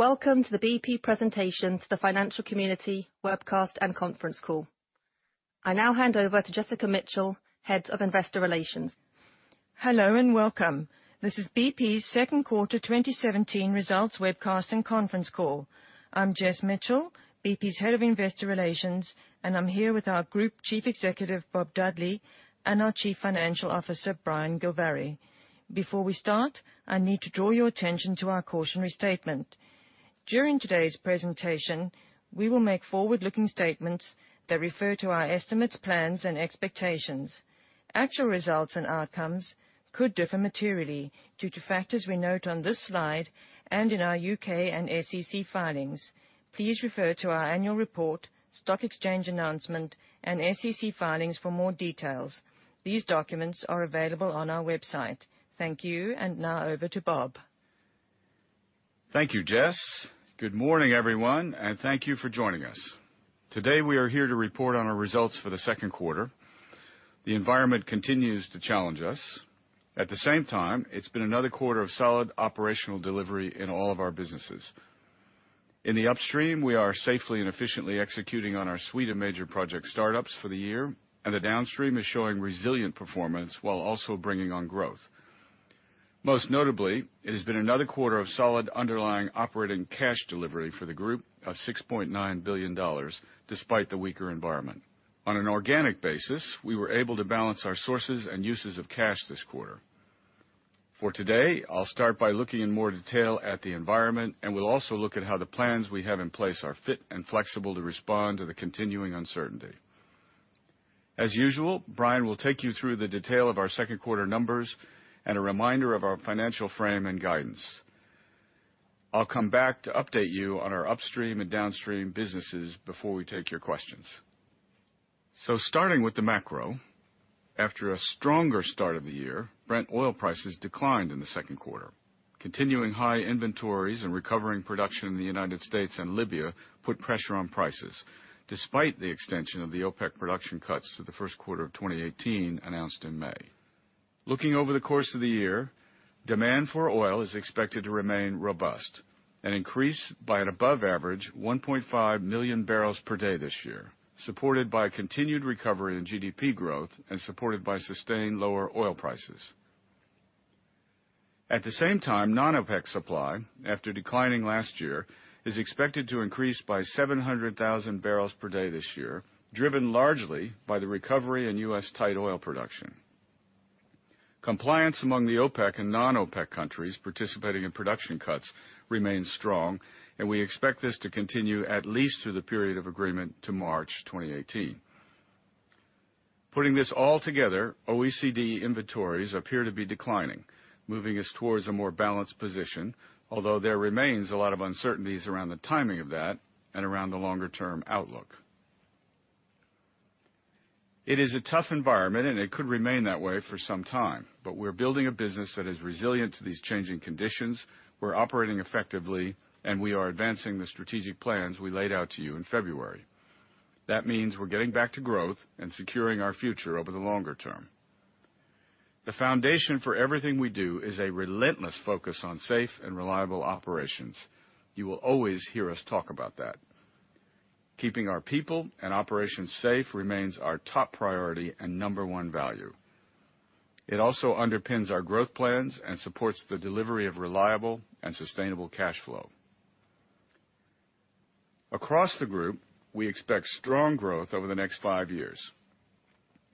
Welcome to the BP presentation to the financial community webcast and conference call. I now hand over to Jessica Mitchell, Head of Investor Relations. Hello and welcome. This is BP's second quarter 2017 results webcast and conference call. I'm Jess Mitchell, BP's Head of Investor Relations, and I'm here with our Group Chief Executive, Bob Dudley, and our Chief Financial Officer, Brian Gilvary. Before we start, I need to draw your attention to our cautionary statement. During today's presentation, we will make forward-looking statements that refer to our estimates, plans, and expectations. Actual results and outcomes could differ materially due to factors we note on this slide and in our U.K. and SEC filings. Please refer to our annual report, stock exchange announcement, and SEC filings for more details. These documents are available on our website. Thank you. Now over to Bob. Thank you, Jess. Good morning, everyone, and thank you for joining us. Today, we are here to report on our results for the second quarter. The environment continues to challenge us. At the same time, it's been another quarter of solid operational delivery in all of our businesses. In the upstream, we are safely and efficiently executing on our suite of major project startups for the year, and the downstream is showing resilient performance while also bringing on growth. Most notably, it has been another quarter of solid underlying operating cash delivery for the group of $6.9 billion, despite the weaker environment. On an organic basis, we were able to balance our sources and uses of cash this quarter. For today, I'll start by looking in more detail at the environment, and we'll also look at how the plans we have in place are fit and flexible to respond to the continuing uncertainty. As usual, Brian will take you through the detail of our second quarter numbers and a reminder of our financial frame and guidance. I'll come back to update you on our upstream and downstream businesses before we take your questions. Starting with the macro, after a stronger start of the year, Brent oil prices declined in the second quarter. Continuing high inventories and recovering production in the United States and Libya put pressure on prices, despite the extension of the OPEC production cuts to the first quarter of 2018 announced in May. Looking over the course of the year, demand for oil is expected to remain robust and increase by an above average 1.5 million barrels per day this year, supported by continued recovery in GDP growth and supported by sustained lower oil prices. At the same time, non-OPEC supply, after declining last year, is expected to increase by 700,000 barrels per day this year, driven largely by the recovery in U.S. tight oil production. Compliance among the OPEC and non-OPEC countries participating in production cuts remains strong, and we expect this to continue at least through the period of agreement to March 2018. Putting this all together, OECD inventories appear to be declining, moving us towards a more balanced position, although there remains a lot of uncertainties around the timing of that and around the longer-term outlook. It is a tough environment and it could remain that way for some time. We're building a business that is resilient to these changing conditions, we're operating effectively, and we are advancing the strategic plans we laid out to you in February. That means we're getting back to growth and securing our future over the longer term. The foundation for everything we do is a relentless focus on safe and reliable operations. You will always hear us talk about that. Keeping our people and operations safe remains our top priority and number one value. It also underpins our growth plans and supports the delivery of reliable and sustainable cash flow. Across the group, we expect strong growth over the next five years.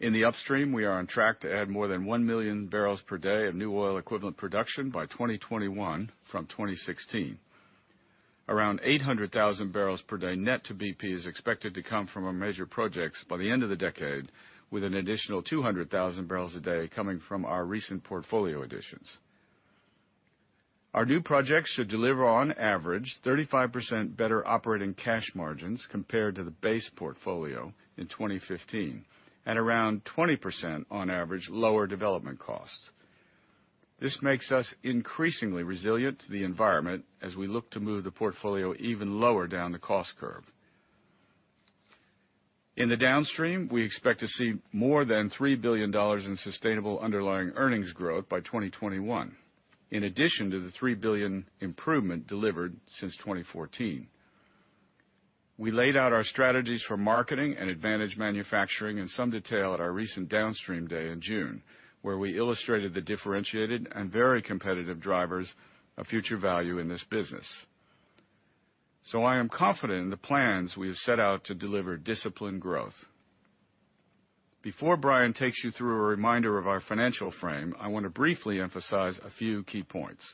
In the upstream, we are on track to add more than 1 million barrels per day of new oil equivalent production by 2021 from 2016. Around 800,000 barrels per day net to BP is expected to come from our major projects by the end of the decade, with an additional 200,000 barrels a day coming from our recent portfolio additions. Our new projects should deliver, on average, 35% better operating cash margins compared to the base portfolio in 2015 at around 20%, on average, lower development costs. This makes us increasingly resilient to the environment as we look to move the portfolio even lower down the cost curve. In the downstream, we expect to see more than $3 billion in sustainable underlying earnings growth by 2021. In addition to the $3 billion improvement delivered since 2014. We laid out our strategies for marketing and advantage manufacturing in some detail at our recent Downstream Day in June, where we illustrated the differentiated and very competitive drivers of future value in this business. I am confident in the plans we have set out to deliver disciplined growth. Before Brian takes you through a reminder of our financial frame, I want to briefly emphasize a few key points.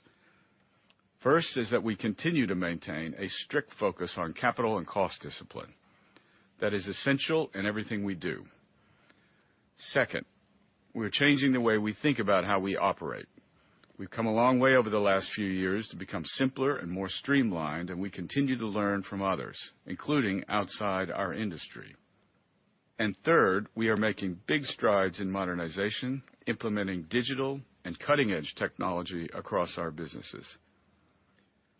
First is that we continue to maintain a strict focus on capital and cost discipline. That is essential in everything we do. Second, we're changing the way we think about how we operate. We've come a long way over the last few years to become simpler and more streamlined, and we continue to learn from others, including outside our industry. Third, we are making big strides in modernization, implementing digital and cutting-edge technology across our businesses.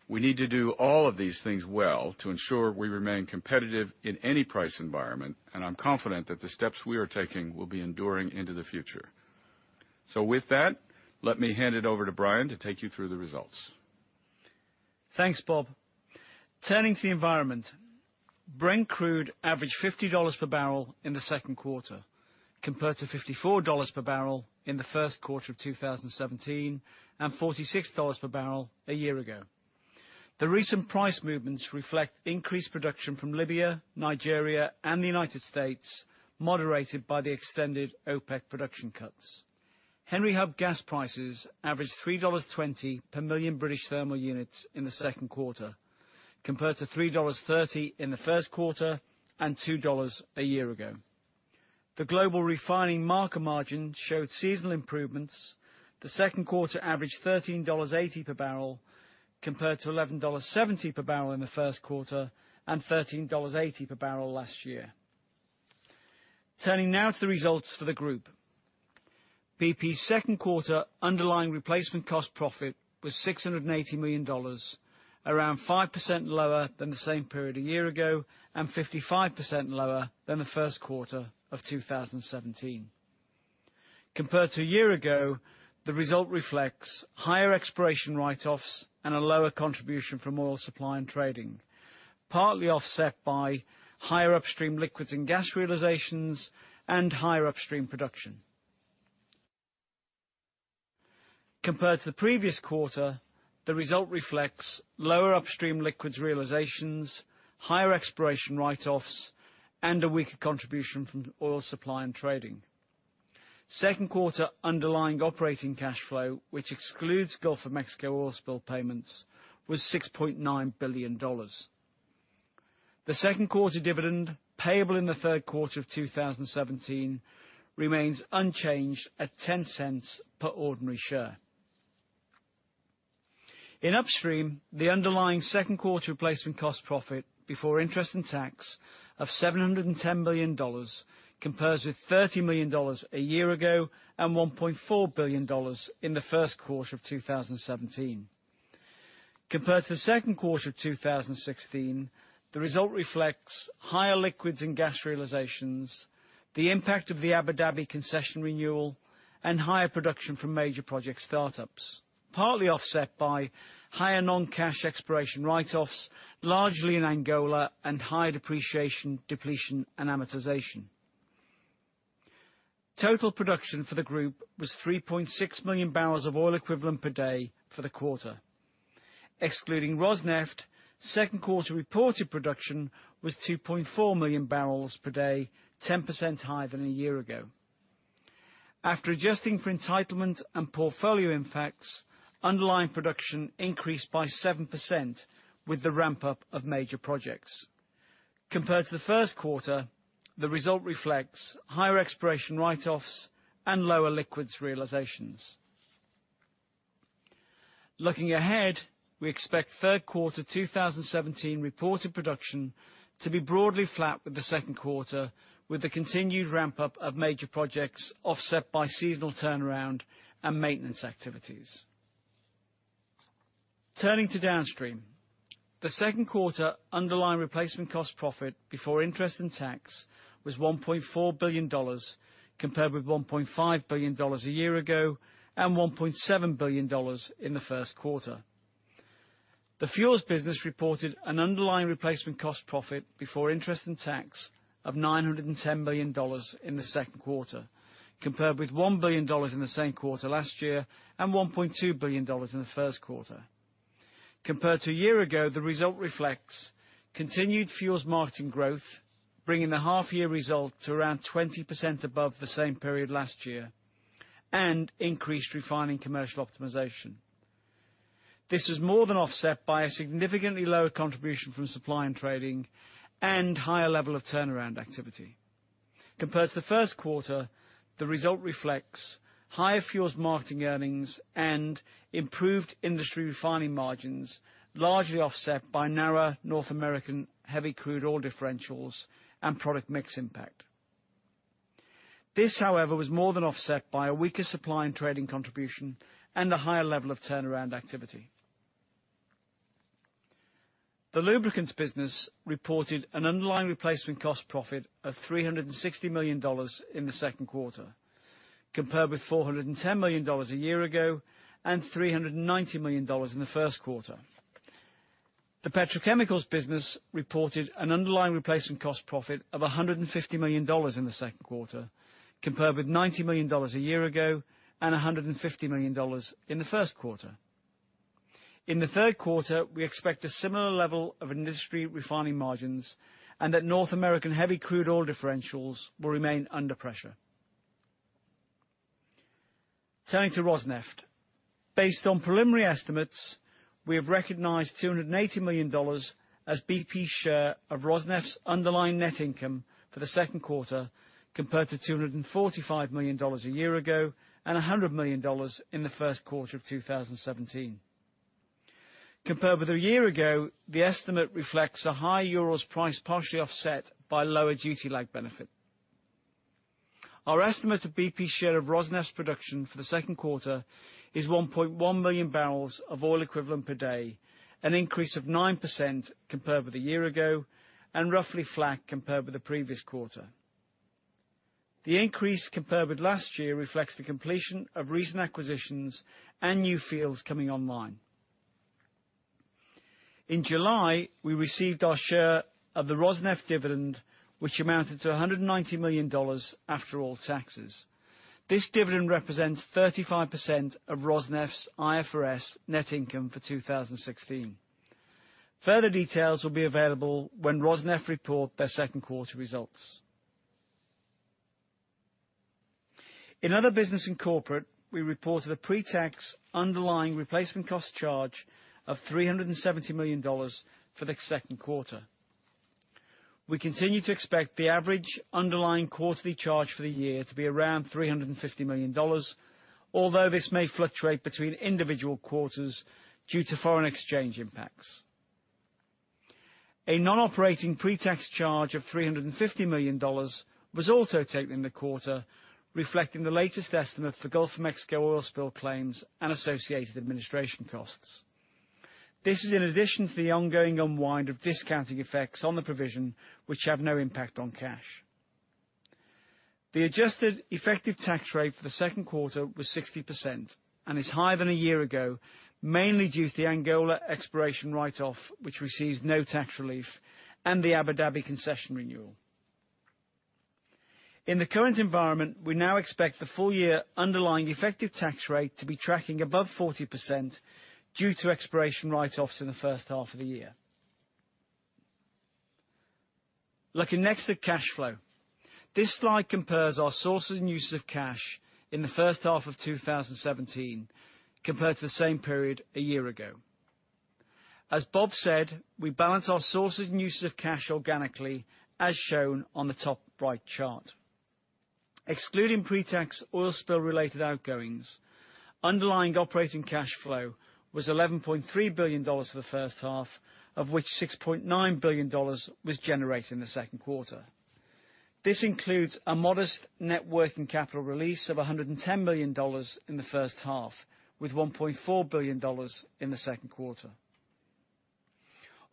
We need to do all of these things well to ensure we remain competitive in any price environment, and I'm confident that the steps we are taking will be enduring into the future. With that, let me hand it over to Brian to take you through the results. Thanks, Bob. Turning to the environment, Brent crude averaged $50 per barrel in the second quarter, compared to $54 per barrel in the first quarter of 2017, and $46 per barrel a year ago. The recent price movements reflect increased production from Libya, Nigeria, and the United States, moderated by the extended OPEC production cuts. Henry Hub gas prices averaged $3.20 per MMBtu in the second quarter, compared to $3.30 in the first quarter and $2 a year ago. The global refining marker margin showed seasonal improvements. The second quarter averaged $13.80 per barrel, compared to $11.70 per barrel in the first quarter and $13.80 per barrel last year. Turning now to the results for the group. BP's second quarter underlying replacement cost profit was $680 million, around 5% lower than the same period a year ago and 55% lower than the first quarter of 2017. Compared to a year ago, the result reflects higher exploration write-offs and a lower contribution from oil supply and trading, partly offset by higher upstream liquids and gas realizations and higher upstream production. Compared to the previous quarter, the result reflects lower upstream liquids realizations, higher exploration write-offs, and a weaker contribution from oil supply and trading. Second quarter underlying operating cash flow, which excludes Gulf of Mexico oil spill payments, was $6.9 billion. The second quarter dividend payable in the third quarter of 2017 remains unchanged at $0.10 per ordinary share. In upstream, the underlying second quarter replacement cost profit before interest and tax of $710 million compares with $30 million a year ago and $1.4 billion in the first quarter of 2017. Compared to the second quarter of 2016, the result reflects higher liquids and gas realizations, the impact of the Abu Dhabi concession renewal, and higher production from major project startups, partly offset by higher non-cash exploration write-offs, largely in Angola, and higher depreciation, depletion, and amortization. Total production for the group was 3.6 million barrels of oil equivalent per day for the quarter. Excluding Rosneft, second quarter reported production was 2.4 million barrels per day, 10% higher than a year ago. After adjusting for entitlement and portfolio impacts, underlying production increased by 7% with the ramp-up of major projects. Compared to the first quarter, the result reflects higher exploration write-offs and lower liquids realizations. Looking ahead, we expect third quarter 2017 reported production to be broadly flat with the second quarter, with the continued ramp-up of major projects offset by seasonal turnaround and maintenance activities. Turning to Downstream, the second quarter underlying replacement cost profit before interest and tax was $1.4 billion, compared with $1.5 billion a year ago and $1.7 billion in the first quarter. The fuels business reported an underlying replacement cost profit before interest and tax of $910 million in the second quarter, compared with $1 billion in the same quarter last year and $1.2 billion in the first quarter. Compared to a year ago, the result reflects continued fuels marketing growth, bringing the half year result to around 20% above the same period last year, and increased refining commercial optimization. This was more than offset by a significantly lower contribution from supply and trading and higher level of turnaround activity. Compared to the first quarter, the result reflects higher fuels marketing earnings and improved industry refining margins, largely offset by narrower North American heavy crude oil differentials and product mix impact. This, however, was more than offset by a weaker supply and trading contribution and a higher level of turnaround activity. The lubricants business reported an underlying replacement cost profit of $360 million in the second quarter, compared with $410 million a year ago and $390 million in the first quarter. The petrochemicals business reported an underlying replacement cost profit of $150 million in the second quarter, compared with $90 million a year ago and $150 million in the first quarter. In the third quarter, we expect a similar level of industry refining margins, and that North American heavy crude oil differentials will remain under pressure. Turning to Rosneft. Based on preliminary estimates, we have recognized $280 million as BP's share of Rosneft's underlying net income for the second quarter, compared to $245 million a year ago and $100 million in the first quarter of 2017. Compared with a year ago, the estimate reflects a higher Urals price, partially offset by lower duty lag benefit. Our estimate of BP's share of Rosneft's production for the second quarter is 1.1 million barrels of oil equivalent per day, an increase of 9% compared with a year ago and roughly flat compared with the previous quarter. The increase compared with last year reflects the completion of recent acquisitions and new fields coming online. In July, we received our share of the Rosneft dividend, which amounted to $190 million after all taxes. This dividend represents 35% of Rosneft's IFRS net income for 2016. Further details will be available when Rosneft report their second quarter results. In other business in corporate, we reported a pre-tax underlying replacement cost charge of $370 million for the second quarter. We continue to expect the average underlying quarterly charge for the year to be around $350 million, although this may fluctuate between individual quarters due to foreign exchange impacts. A non-operating pre-tax charge of $350 million was also taken in the quarter, reflecting the latest estimate for Gulf of Mexico oil spill claims and associated administration costs. This is in addition to the ongoing unwind of discounting effects on the provision, which have no impact on cash. The adjusted effective tax rate for the second quarter was 60% and is higher than a year ago, mainly due to the Angola exploration write-off, which receives no tax relief, and the Abu Dhabi concession renewal. In the current environment, we now expect the full year underlying effective tax rate to be tracking above 40% due to exploration write-offs in the first half of the year. Looking next at cash flow. This slide compares our sources and uses of cash in the first half of 2017 compared to the same period a year ago. As Bob said, we balance our sources and uses of cash organically, as shown on the top right chart. Excluding pre-tax oil spill related outgoings, underlying operating cash flow was $11.3 billion for the first half, of which $6.9 billion was generated in the second quarter. This includes a modest net working capital release of $110 million in the first half, with $1.4 billion in the second quarter.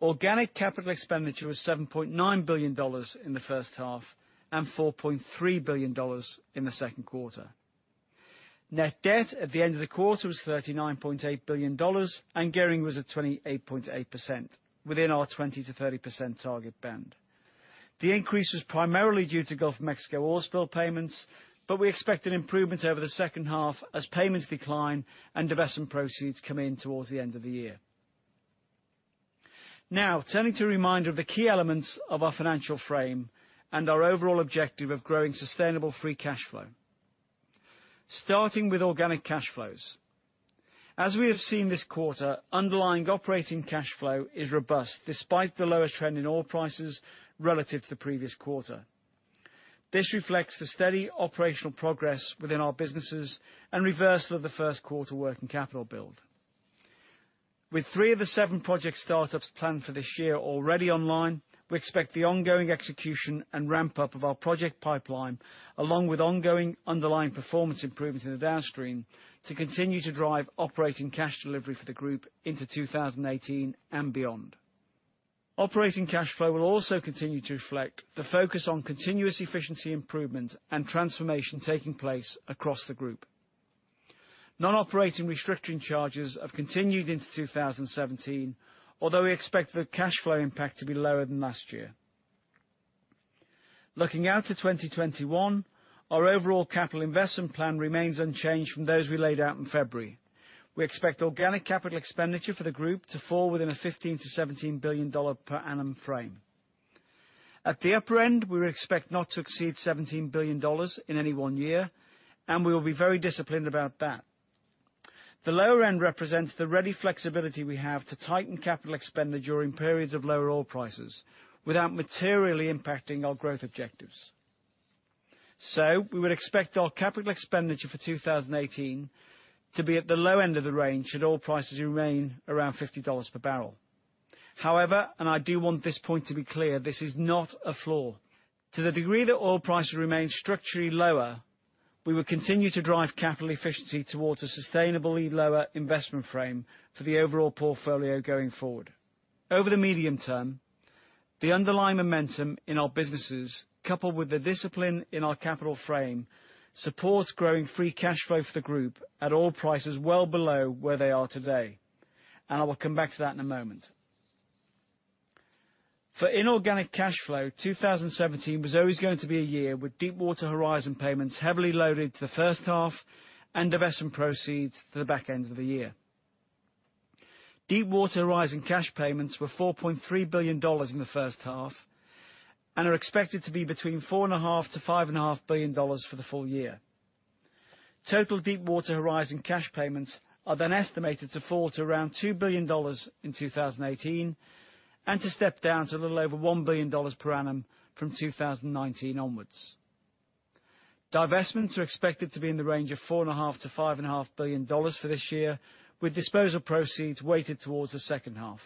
Organic capital expenditure was $7.9 billion in the first half and $4.3 billion in the second quarter. Net debt at the end of the quarter was $39.8 billion and gearing was at 28.8%, within our 20%-30% target band. The increase was primarily due to Gulf of Mexico oil spill payments. We expect an improvement over the second half as payments decline and divestment proceeds come in towards the end of the year. Turning to a reminder of the key elements of our financial frame and our overall objective of growing sustainable free cash flow. Starting with organic cash flows. As we have seen this quarter, underlying operating cash flow is robust despite the lower trend in oil prices relative to the previous quarter. This reflects the steady operational progress within our businesses and reversal of the first quarter working capital build. With three of the seven project startups planned for this year already online, we expect the ongoing execution and ramp-up of our project pipeline, along with ongoing underlying performance improvements in the downstream, to continue to drive operating cash delivery for the group into 2018 and beyond. Operating cash flow will also continue to reflect the focus on continuous efficiency improvement and transformation taking place across the group. Non-operating restructuring charges have continued into 2017, although we expect the cash flow impact to be lower than last year. Looking out to 2021, our overall capital investment plan remains unchanged from those we laid out in February. We expect organic capital expenditure for the group to fall within a $15 billion-$17 billion per annum frame. At the upper end, we expect not to exceed $17 billion in any one year. We will be very disciplined about that. The lower end represents the ready flexibility we have to tighten capital expenditure during periods of lower oil prices without materially impacting our growth objectives. We would expect our capital expenditure for 2018 to be at the low end of the range should oil prices remain around $50 per barrel. However, I do want this point to be clear, this is not a floor. To the degree that oil prices remain structurally lower, we will continue to drive capital efficiency towards a sustainably lower investment frame for the overall portfolio going forward. Over the medium term, the underlying momentum in our businesses, coupled with the discipline in our capital frame, supports growing free cash flow for the group at oil prices well below where they are today. I will come back to that in a moment. For inorganic cash flow, 2017 was always going to be a year with Deepwater Horizon payments heavily loaded to the first half and divestment proceeds to the back end of the year. Deepwater Horizon cash payments were $4.3 billion in the first half and are expected to be between $4.5 billion-$5.5 billion for the full year. Total Deepwater Horizon cash payments are estimated to fall to around $2 billion in 2018 and to step down to a little over $1 billion per annum from 2019 onwards. Divestments are expected to be in the range of $4.5 billion-$5.5 billion for this year, with disposal proceeds weighted towards the second half.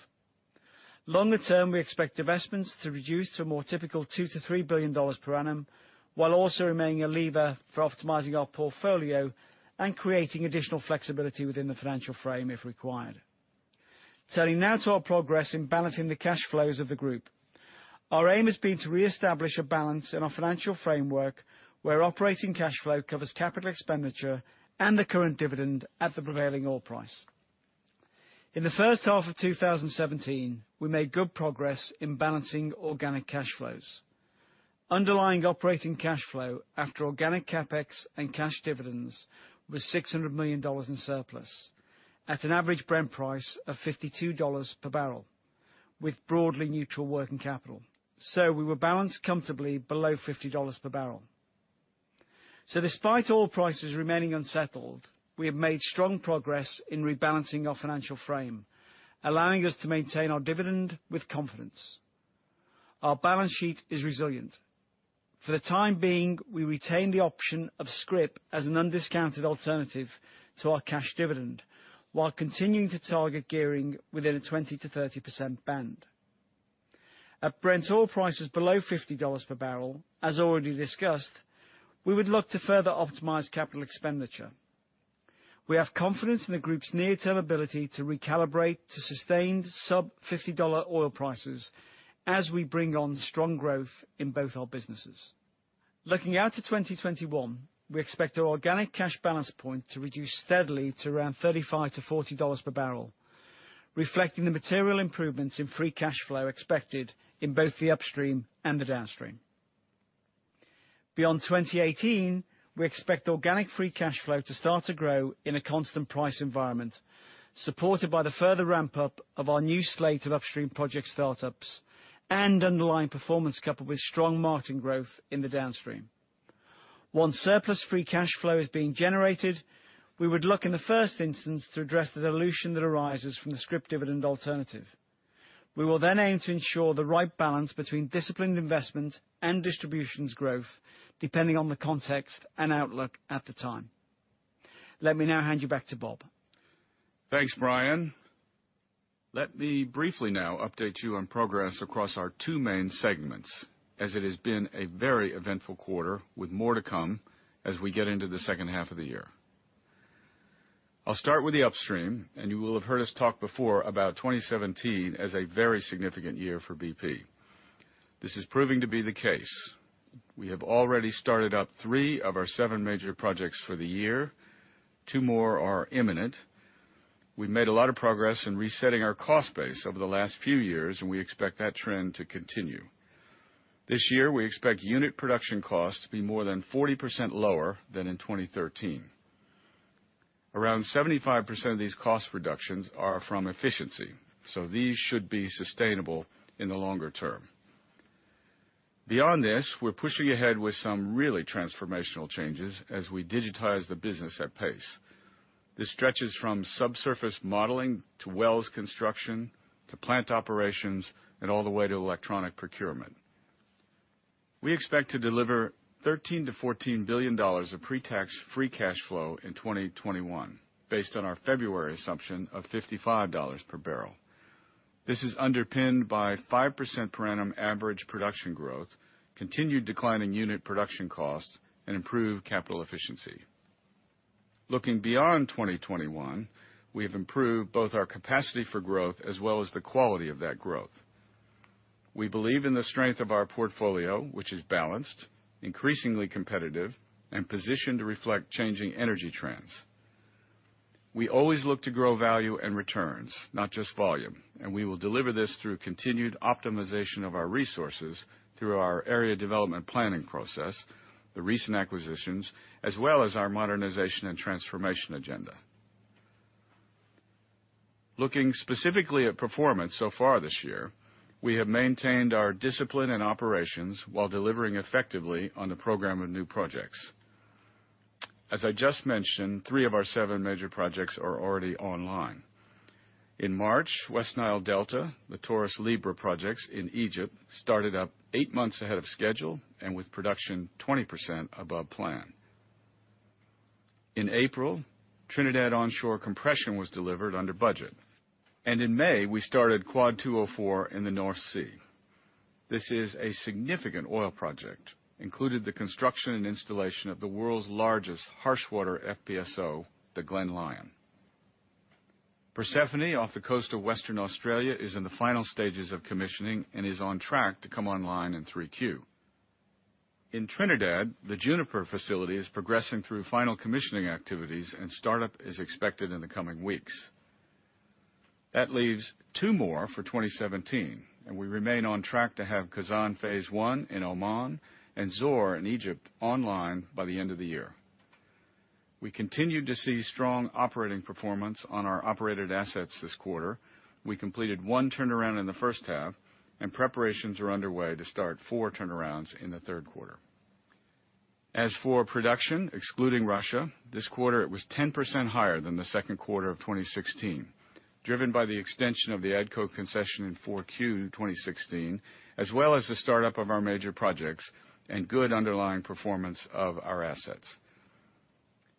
Longer term, we expect divestments to reduce to a more typical $2 billion-$3 billion per annum, while also remaining a lever for optimizing our portfolio and creating additional flexibility within the financial frame if required. Turning now to our progress in balancing the cash flows of the group. Our aim has been to reestablish a balance in our financial framework where operating cash flow covers capital expenditure and the current dividend at the prevailing oil price. In the first half of 2017, we made good progress in balancing organic cash flows. Underlying operating cash flow after organic CapEx and cash dividends was $600 million in surplus at an average Brent price of $52 per barrel with broadly neutral working capital. We were balanced comfortably below $50 per barrel. Despite oil prices remaining unsettled, we have made strong progress in rebalancing our financial frame, allowing us to maintain our dividend with confidence. Our balance sheet is resilient. For the time being, we retain the option of scrip as an undiscounted alternative to our cash dividend while continuing to target gearing within a 20%-30% band. At Brent oil prices below $50 per barrel, as already discussed, we would look to further optimize capital expenditure. We have confidence in the group's near-term ability to recalibrate to sustained sub-$50 oil prices as we bring on strong growth in both our businesses. Looking out to 2021, we expect our organic cash balance point to reduce steadily to around $35-$40 per barrel, reflecting the material improvements in free cash flow expected in both the upstream and the downstream. Beyond 2018, we expect organic free cash flow to start to grow in a constant price environment, supported by the further ramp-up of our new slate of upstream project startups and underlying performance coupled with strong market growth in the downstream. Once surplus free cash flow is being generated, we would look in the first instance to address the dilution that arises from the scrip dividend alternative. We will aim to ensure the right balance between disciplined investment and distributions growth, depending on the context and outlook at the time. Let me now hand you back to Bob. Thanks, Brian. Let me briefly now update you on progress across our two main segments, as it has been a very eventful quarter with more to come as we get into the second half of the year. I'll start with the upstream. You will have heard us talk before about 2017 as a very significant year for BP. This is proving to be the case. We have already started up three of our seven major projects for the year. Two more are imminent. We've made a lot of progress in resetting our cost base over the last few years, and we expect that trend to continue. This year, we expect unit production costs to be more than 40% lower than in 2013. Around 75% of these cost reductions are from efficiency, so these should be sustainable in the longer term. Beyond this, we're pushing ahead with some really transformational changes as we digitize the business at pace. This stretches from subsurface modeling to wells construction, to plant operations, and all the way to electronic procurement. We expect to deliver $13 billion-$14 billion of pre-tax free cash flow in 2021, based on our February assumption of $55 per barrel. This is underpinned by 5% per annum average production growth, continued declining unit production costs, and improved capital efficiency. Looking beyond 2021, we have improved both our capacity for growth as well as the quality of that growth. We believe in the strength of our portfolio, which is balanced, increasingly competitive, and positioned to reflect changing energy trends. We always look to grow value and returns, not just volume. We will deliver this through continued optimization of our resources through our area development planning process, the recent acquisitions, as well as our modernization and transformation agenda. Looking specifically at performance so far this year, we have maintained our discipline and operations while delivering effectively on the program of new projects. As I just mentioned, three of our seven major projects are already online. In March, West Nile Delta, the Taurus-Libra projects in Egypt started up eight months ahead of schedule and with production 20% above plan. In April, Trinidad onshore compression was delivered under budget. In May, we started Quad 204 in the North Sea. This is a significant oil project, included the construction and installation of the world's largest harsh water FPSO, the Glen Lyon. Persephone, off the coast of Western Australia, is in the final stages of commissioning and is on track to come online in three Q. In Trinidad, the Juniper facility is progressing through final commissioning activities. Startup is expected in the coming weeks. That leaves two more for 2017. We remain on track to have Khazzan Phase One in Oman and Zohr in Egypt online by the end of the year. We continued to see strong operating performance on our operated assets this quarter. We completed one turnaround in the first half. Preparations are underway to start four turnarounds in the third quarter. As for production, excluding Russia, this quarter it was 10% higher than the second quarter of 2016, driven by the extension of the ADCO concession in 4Q 2016, as well as the startup of our major projects and good underlying performance of our assets.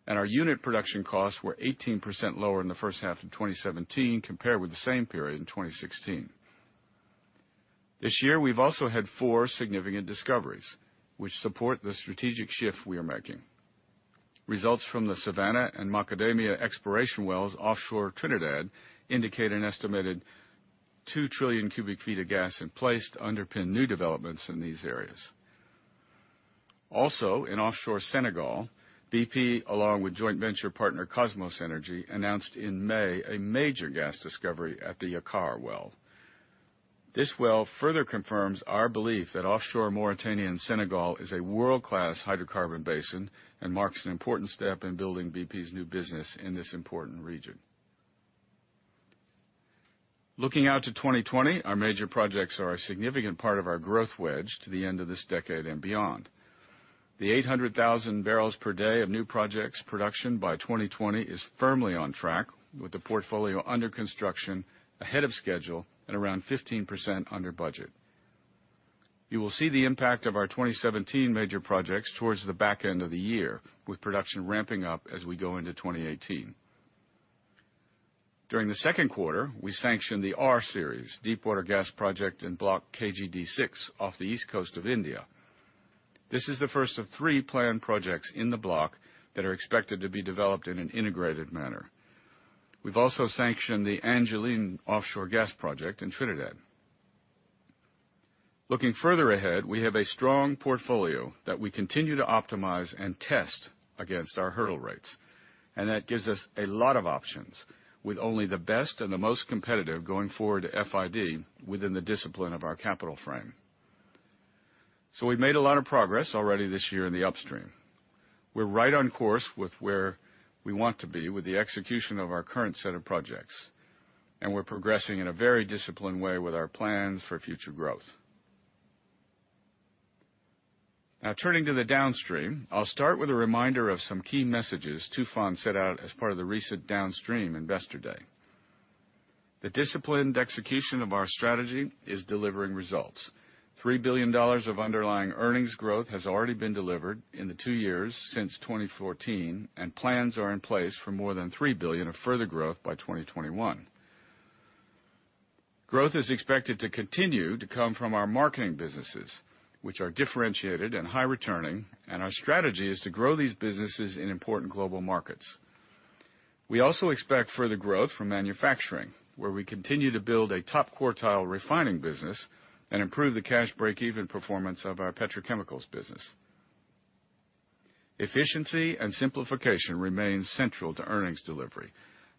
Our unit production costs were 18% lower in the first half of 2017 compared with the same period in 2016. This year, we've also had four significant discoveries which support the strategic shift we are making. Results from the Savannah and Macadamia exploration wells offshore Trinidad indicate an estimated 2 trillion cubic feet of gas in place to underpin new developments in these areas. Also, in offshore Senegal, BP, along with joint venture partner Kosmos Energy, announced in May a major gas discovery at the Yakaar well. This well further confirms our belief that offshore Mauritania and Senegal is a world-class hydrocarbon basin and marks an important step in building BP's new business in this important region. Looking out to 2020, our major projects are a significant part of our growth wedge to the end of this decade and beyond. The 800,000 barrels per day of new projects production by 2020 is firmly on track, with the portfolio under construction ahead of schedule and around 15% under budget. You will see the impact of our 2017 major projects towards the back end of the year, with production ramping up as we go into 2018. During the second quarter, we sanctioned the R-Series deepwater gas project in Block KG-D6 off the east coast of India. This is the first of three planned projects in the block that are expected to be developed in an integrated manner. We've also sanctioned the Angelin offshore gas project in Trinidad. Looking further ahead, we have a strong portfolio that we continue to optimize and test against our hurdle rates, that gives us a lot of options, with only the best and the most competitive going forward to FID within the discipline of our capital frame. We've made a lot of progress already this year in the upstream. We're right on course with where we want to be with the execution of our current set of projects, we're progressing in a very disciplined way with our plans for future growth. Turning to the downstream, I'll start with a reminder of some key messages Tufan set out as part of the recent downstream Investor Day. The disciplined execution of our strategy is delivering results. $3 billion of underlying earnings growth has already been delivered in the two years since 2014, plans are in place for more than $3 billion of further growth by 2021. Growth is expected to continue to come from our marketing businesses, which are differentiated and high returning, our strategy is to grow these businesses in important global markets. We also expect further growth from manufacturing, where we continue to build a top quartile refining business and improve the cash breakeven performance of our petrochemicals business. Efficiency and simplification remain central to earnings delivery.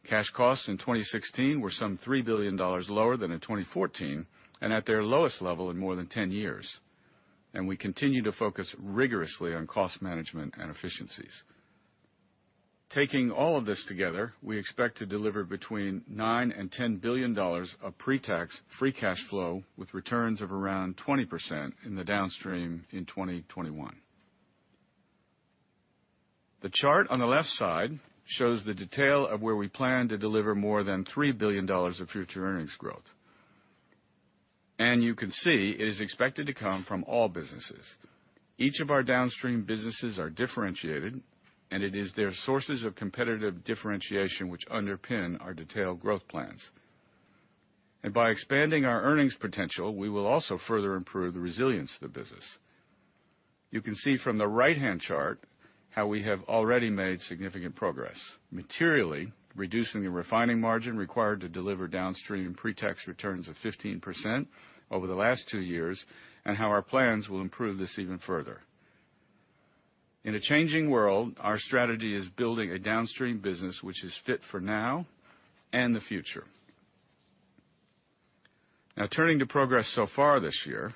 Cash costs in 2016 were some $3 billion lower than in 2014 and at their lowest level in more than 10 years. We continue to focus rigorously on cost management and efficiencies. Taking all of this together, we expect to deliver between $9 billion and $10 billion of pre-tax free cash flow with returns of around 20% in the downstream in 2021. The chart on the left side shows the detail of where we plan to deliver more than $3 billion of future earnings growth. You can see it is expected to come from all businesses. Each of our downstream businesses are differentiated, and it is their sources of competitive differentiation which underpin our detailed growth plans. By expanding our earnings potential, we will also further improve the resilience of the business. You can see from the right-hand chart how we have already made significant progress, materially reducing the refining margin required to deliver downstream pre-tax returns of 15% over the last two years, and how our plans will improve this even further. In a changing world, our strategy is building a downstream business which is fit for now and the future. Turning to progress so far this year,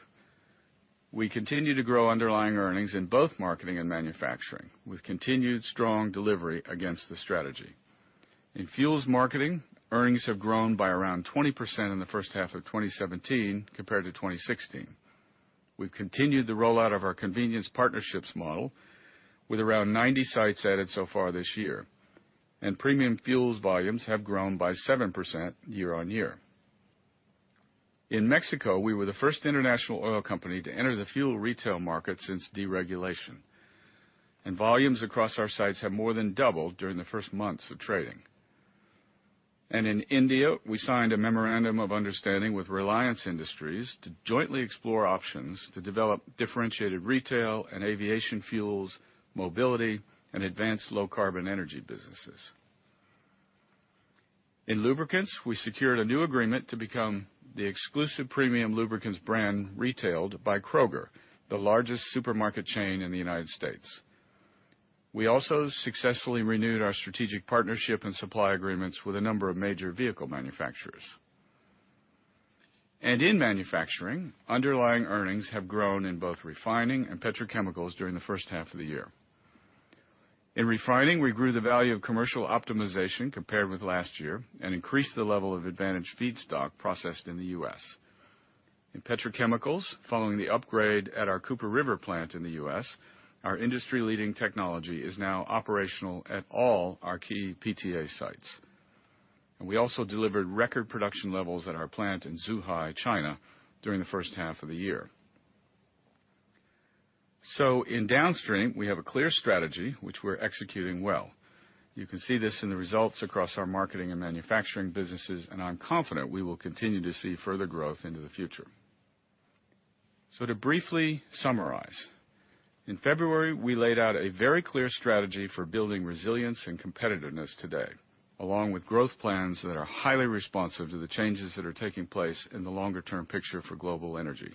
we continue to grow underlying earnings in both marketing and manufacturing with continued strong delivery against the strategy. In fuels marketing, earnings have grown by around 20% in the first half of 2017 compared to 2016. We've continued the rollout of our convenience partnerships model with around 90 sites added so far this year. Premium fuels volumes have grown by 7% year-on-year. In Mexico, we were the first international oil company to enter the fuel retail market since deregulation. Volumes across our sites have more than doubled during the first months of trading. In India, we signed a memorandum of understanding with Reliance Industries to jointly explore options to develop differentiated retail and aviation fuels, mobility, and advanced low carbon energy businesses. In lubricants, we secured a new agreement to become the exclusive premium lubricants brand retailed by Kroger, the largest supermarket chain in the United States. We also successfully renewed our strategic partnership and supply agreements with a number of major vehicle manufacturers. In manufacturing, underlying earnings have grown in both refining and petrochemicals during the first half of the year. In refining, we grew the value of commercial optimization compared with last year and increased the level of advantaged feedstock processed in the U.S. In petrochemicals, following the upgrade at our Cooper River plant in the U.S., our industry-leading technology is now operational at all our key PTA sites. We also delivered record production levels at our plant in Zhuhai, China, during the first half of the year. In downstream, we have a clear strategy which we're executing well. You can see this in the results across our marketing and manufacturing businesses. I'm confident we will continue to see further growth into the future. To briefly summarize, in February, we laid out a very clear strategy for building resilience and competitiveness today, along with growth plans that are highly responsive to the changes that are taking place in the longer-term picture for global energy.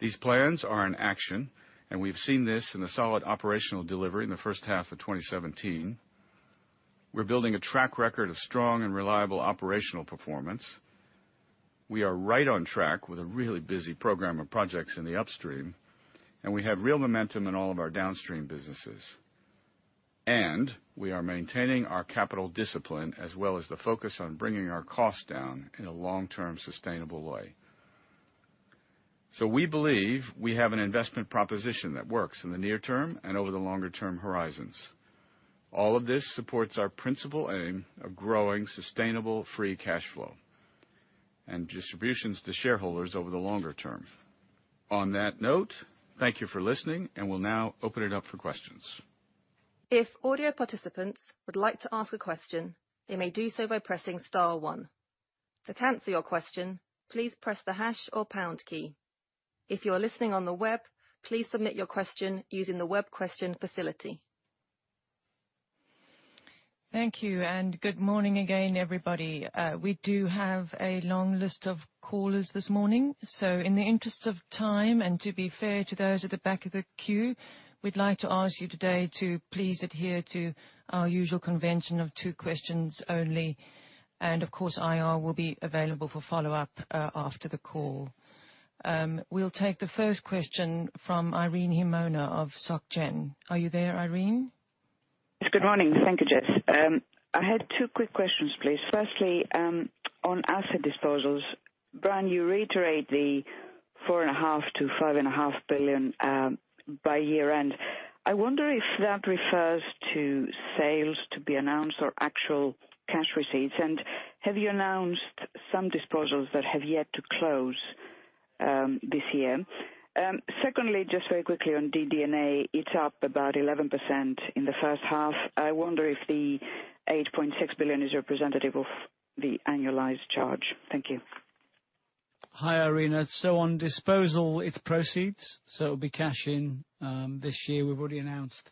These plans are in action. We've seen this in the solid operational delivery in the first half of 2017. We're building a track record of strong and reliable operational performance. We are right on track with a really busy program of projects in the upstream, and we have real momentum in all of our downstream businesses. We are maintaining our capital discipline as well as the focus on bringing our costs down in a long-term, sustainable way. We believe we have an investment proposition that works in the near term and over the longer-term horizons. All of this supports our principal aim of growing sustainable free cash flow and distributions to shareholders over the longer term. On that note, thank you for listening, and we'll now open it up for questions. If audio participants would like to ask a question, they may do so by pressing star one. To cancel your question, please press the hash or pound key. If you are listening on the web, please submit your question using the web question facility. Thank you, good morning again, everybody. We do have a long list of callers this morning, in the interest of time, and to be fair to those at the back of the queue, we'd like to ask you today to please adhere to our usual convention of two questions only. Of course, IR will be available for follow-up after the call. We'll take the first question from Irene Himona of Societe Generale. Are you there, Irene? Yes. Good morning. Thank you, Jess. I had two quick questions, please. Firstly, on asset disposals. Brian, you reiterate the four and a half to five and a half billion dollars by year-end. I wonder if that refers to sales to be announced or actual cash receipts. Have you announced some disposals that have yet to close this year? Secondly, just very quickly on DD&A. It's up about 11% in the first half. I wonder if the $8.6 billion is representative of the annualized charge. Thank you. Hi, Irene. On disposal, it's proceeds. It'll be cash in this year. We've already announced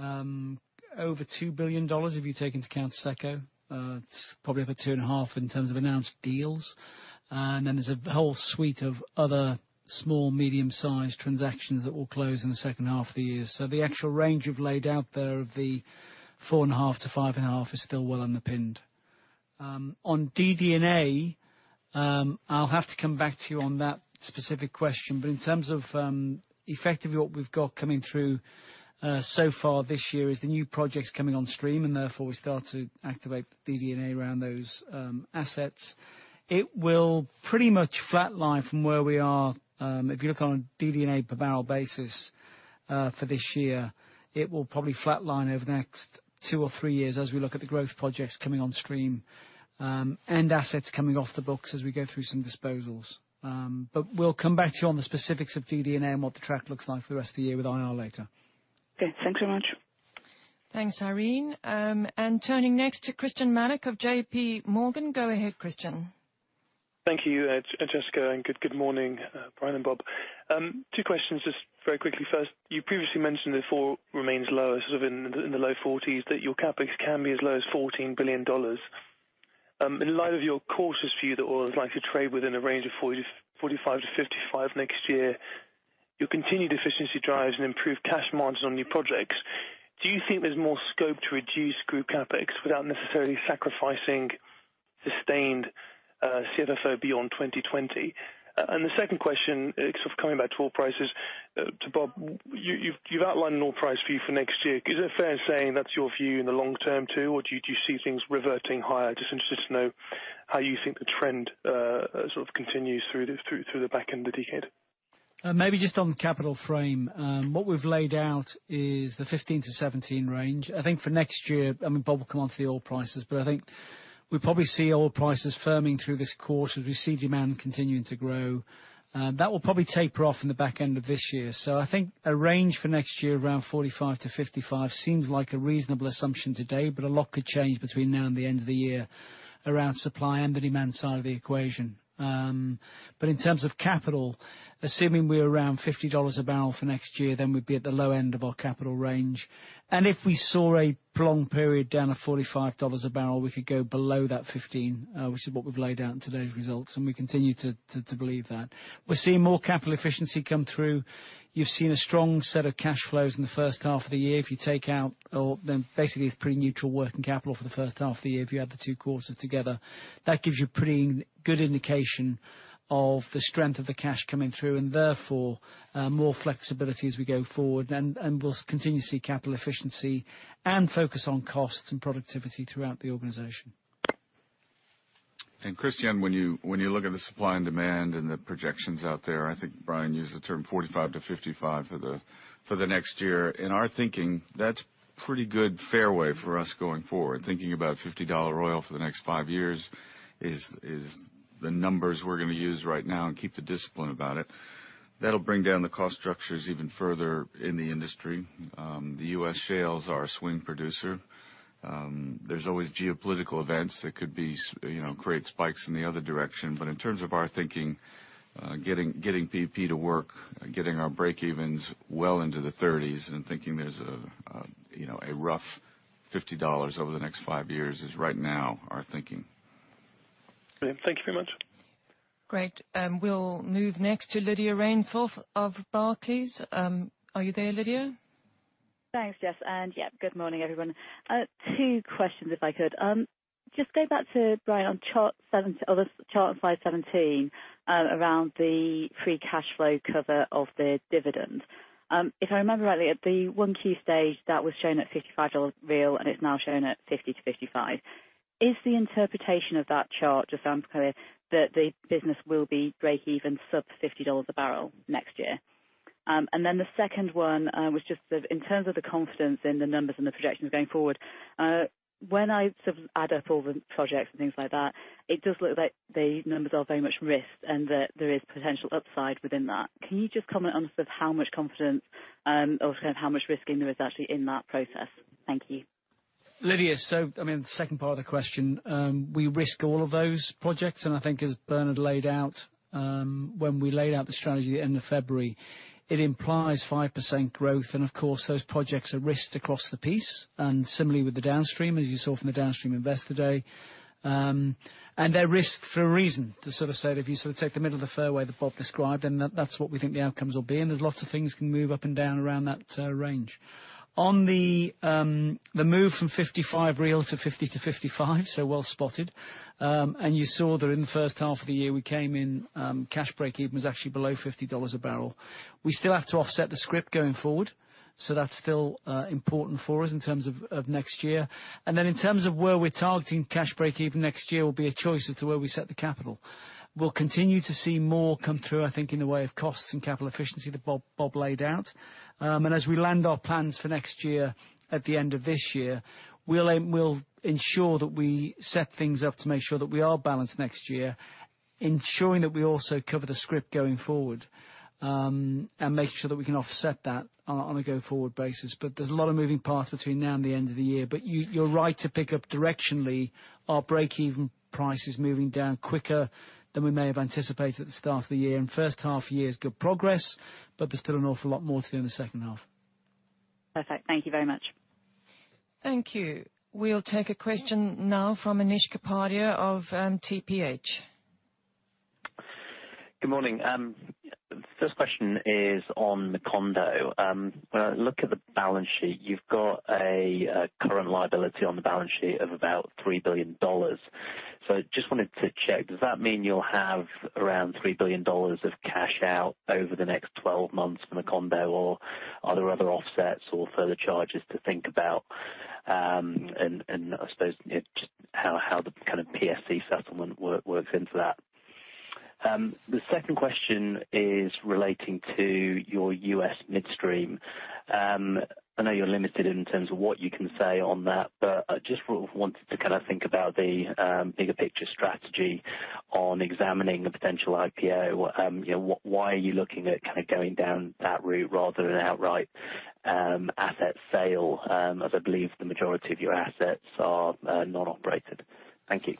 over $2 billion if you take into account SECCO. It's probably over 2.5 in terms of announced deals. Then there's a whole suite of other small, medium-sized transactions that will close in the second half of the year. The actual range we've laid out there of the four and a half to five and a half is still well underpinned. On DD&A, I'll have to come back to you on that specific question. In terms of effectively what we've got coming through so far this year is the new projects coming on stream, and therefore we start to activate DD&A around those assets. It will pretty much flatline from where we are. If you look on a DD&A per barrel basis for this year, it will probably flatline over the next two or three years as we look at the growth projects coming on stream and assets coming off the books as we go through some disposals. We'll come back to you on the specifics of DD&A and what the track looks like for the rest of the year with IR later. Okay. Thanks so much. Thanks, Irene. Turning next to Christyan Malek of JPMorgan. Go ahead, Christyan. Thank you, Jessica, and good morning, Brian and Bob. Two questions just very quickly. First, you previously mentioned if oil remains low, sort of in the low 40s, that your CapEx can be as low as $14 billion. In light of your cautious view that oil is likely to trade within a range of $45-$55 next year, your continued efficiency drives and improved cash margin on new projects, do you think there's more scope to reduce group CapEx without necessarily sacrificing sustained CFFO beyond 2020? The second question, sort of coming back to oil prices. To Bob, you've outlined an oil price for you for next year. Is it fair saying that's your view in the long term too, or do you see things reverting higher? Just interested to know how you think the trend sort of continues through the back end of the decade. Maybe just on capital frame. What we've laid out is the $15-$17 range. I think for next year, Bob will come on to the oil prices, but I think we probably see oil prices firming through this quarter as we see demand continuing to grow. That will probably taper off in the back end of this year. I think a range for next year around $45-$55 seems like a reasonable assumption today, but a lot could change between now and the end of the year around supply and the demand side of the equation. In terms of capital, assuming we're around $50 a barrel for next year, then we'd be at the low end of our capital range. If we saw a prolonged period down at $45 a barrel, we could go below that $15, which is what we've laid out in today's results, and we continue to believe that. We're seeing more capital efficiency come through. You've seen a strong set of cash flows in the first half of the year. If you take out, basically it's pretty neutral working capital for the first half of the year if you add the 2 quarters together. That gives you pretty good indication of the strength of the cash coming through and therefore more flexibility as we go forward. We'll continue to see capital efficiency and focus on costs and productivity throughout the organization. Christyan, when you look at the supply and demand and the projections out there, I think Brian used the term $45-$55 for the next year. In our thinking, that's pretty good fairway for us going forward. Thinking about $50 oil for the next 5 years is the numbers we're going to use right now and keep the discipline about it. That'll bring down the cost structures even further in the industry. The U.S. shales are a swing producer. There's always geopolitical events that could create spikes in the other direction. In terms of our thinking, getting BP to work, getting our breakevens well into the 30s and thinking there's a rough $50 over the next 5 years is right now our thinking. Okay. Thank you very much. Great. We'll move next to Lydia Rainforth of Barclays. Are you there, Lydia? Thanks. Yes. Yeah, good morning, everyone. Two questions, if I could. Just go back to Brian on chart 5.17 around the free cash flow cover of the dividend. If I remember rightly, at the 1Q stage, that was shown at $55 real, and it's now shown at $50 to $55. Is the interpretation of that chart, just so I'm clear, that the business will be breakeven sub $50 a barrel next year? The second one was just in terms of the confidence in the numbers and the projections going forward. When I add up all the projects and things like that, it does look like the numbers are very much risked and that there is potential upside within that. Can you just comment on sort of how much confidence or sort of how much risk there is actually in that process? Thank you. Lydia, the second part of the question, we risk all of those projects, and I think as Bernard laid out, when we laid out the strategy at the end of February, it implies 5% growth. Of course, those projects are risked across the piece. Similarly with the downstream, as you saw from the downstream investor day. They're risked for a reason. To sort of say if you take the middle of the fairway that Bob described, then that's what we think the outcomes will be. There's lots of things can move up and down around that range. On the move from $55 real to $50 to $55, so well spotted. You saw that in the first half of the year, we came in cash break-even was actually below $50 a barrel. We still have to offset the scrip going forward, so that's still important for us in terms of next year. Then in terms of where we're targeting cash break even next year will be a choice as to where we set the capital. We'll continue to see more come through, I think, in the way of costs and capital efficiency that Bob laid out. As we land our plans for next year, at the end of this year, we'll ensure that we set things up to make sure that we are balanced next year, ensuring that we also cover the scrip going forward, and make sure that we can offset that on a go-forward basis. There's a lot of moving parts between now and the end of the year. You're right to pick up directionally our break-even price is moving down quicker than we may have anticipated at the start of the year. First half year is good progress, but there's still an awful lot more to do in the second half. Perfect. Thank you very much. Thank you. We'll take a question now from Anish Kapadia of TPH. Good morning. First question is on Macondo. When I look at the balance sheet, you've got a current liability on the balance sheet of about $3 billion. Just wanted to check, does that mean you'll have around $3 billion of cash out over the next 12 months from Macondo? Or are there other offsets or further charges to think about? I suppose just how the kind of PSC settlement works into that. The second question is relating to your U.S. midstream. I know you're limited in terms of what you can say on that. I just wanted to think about the bigger picture strategy on examining a potential IPO. Why are you looking at going down that route rather than an outright asset sale? As I believe the majority of your assets are not operated. Thank you.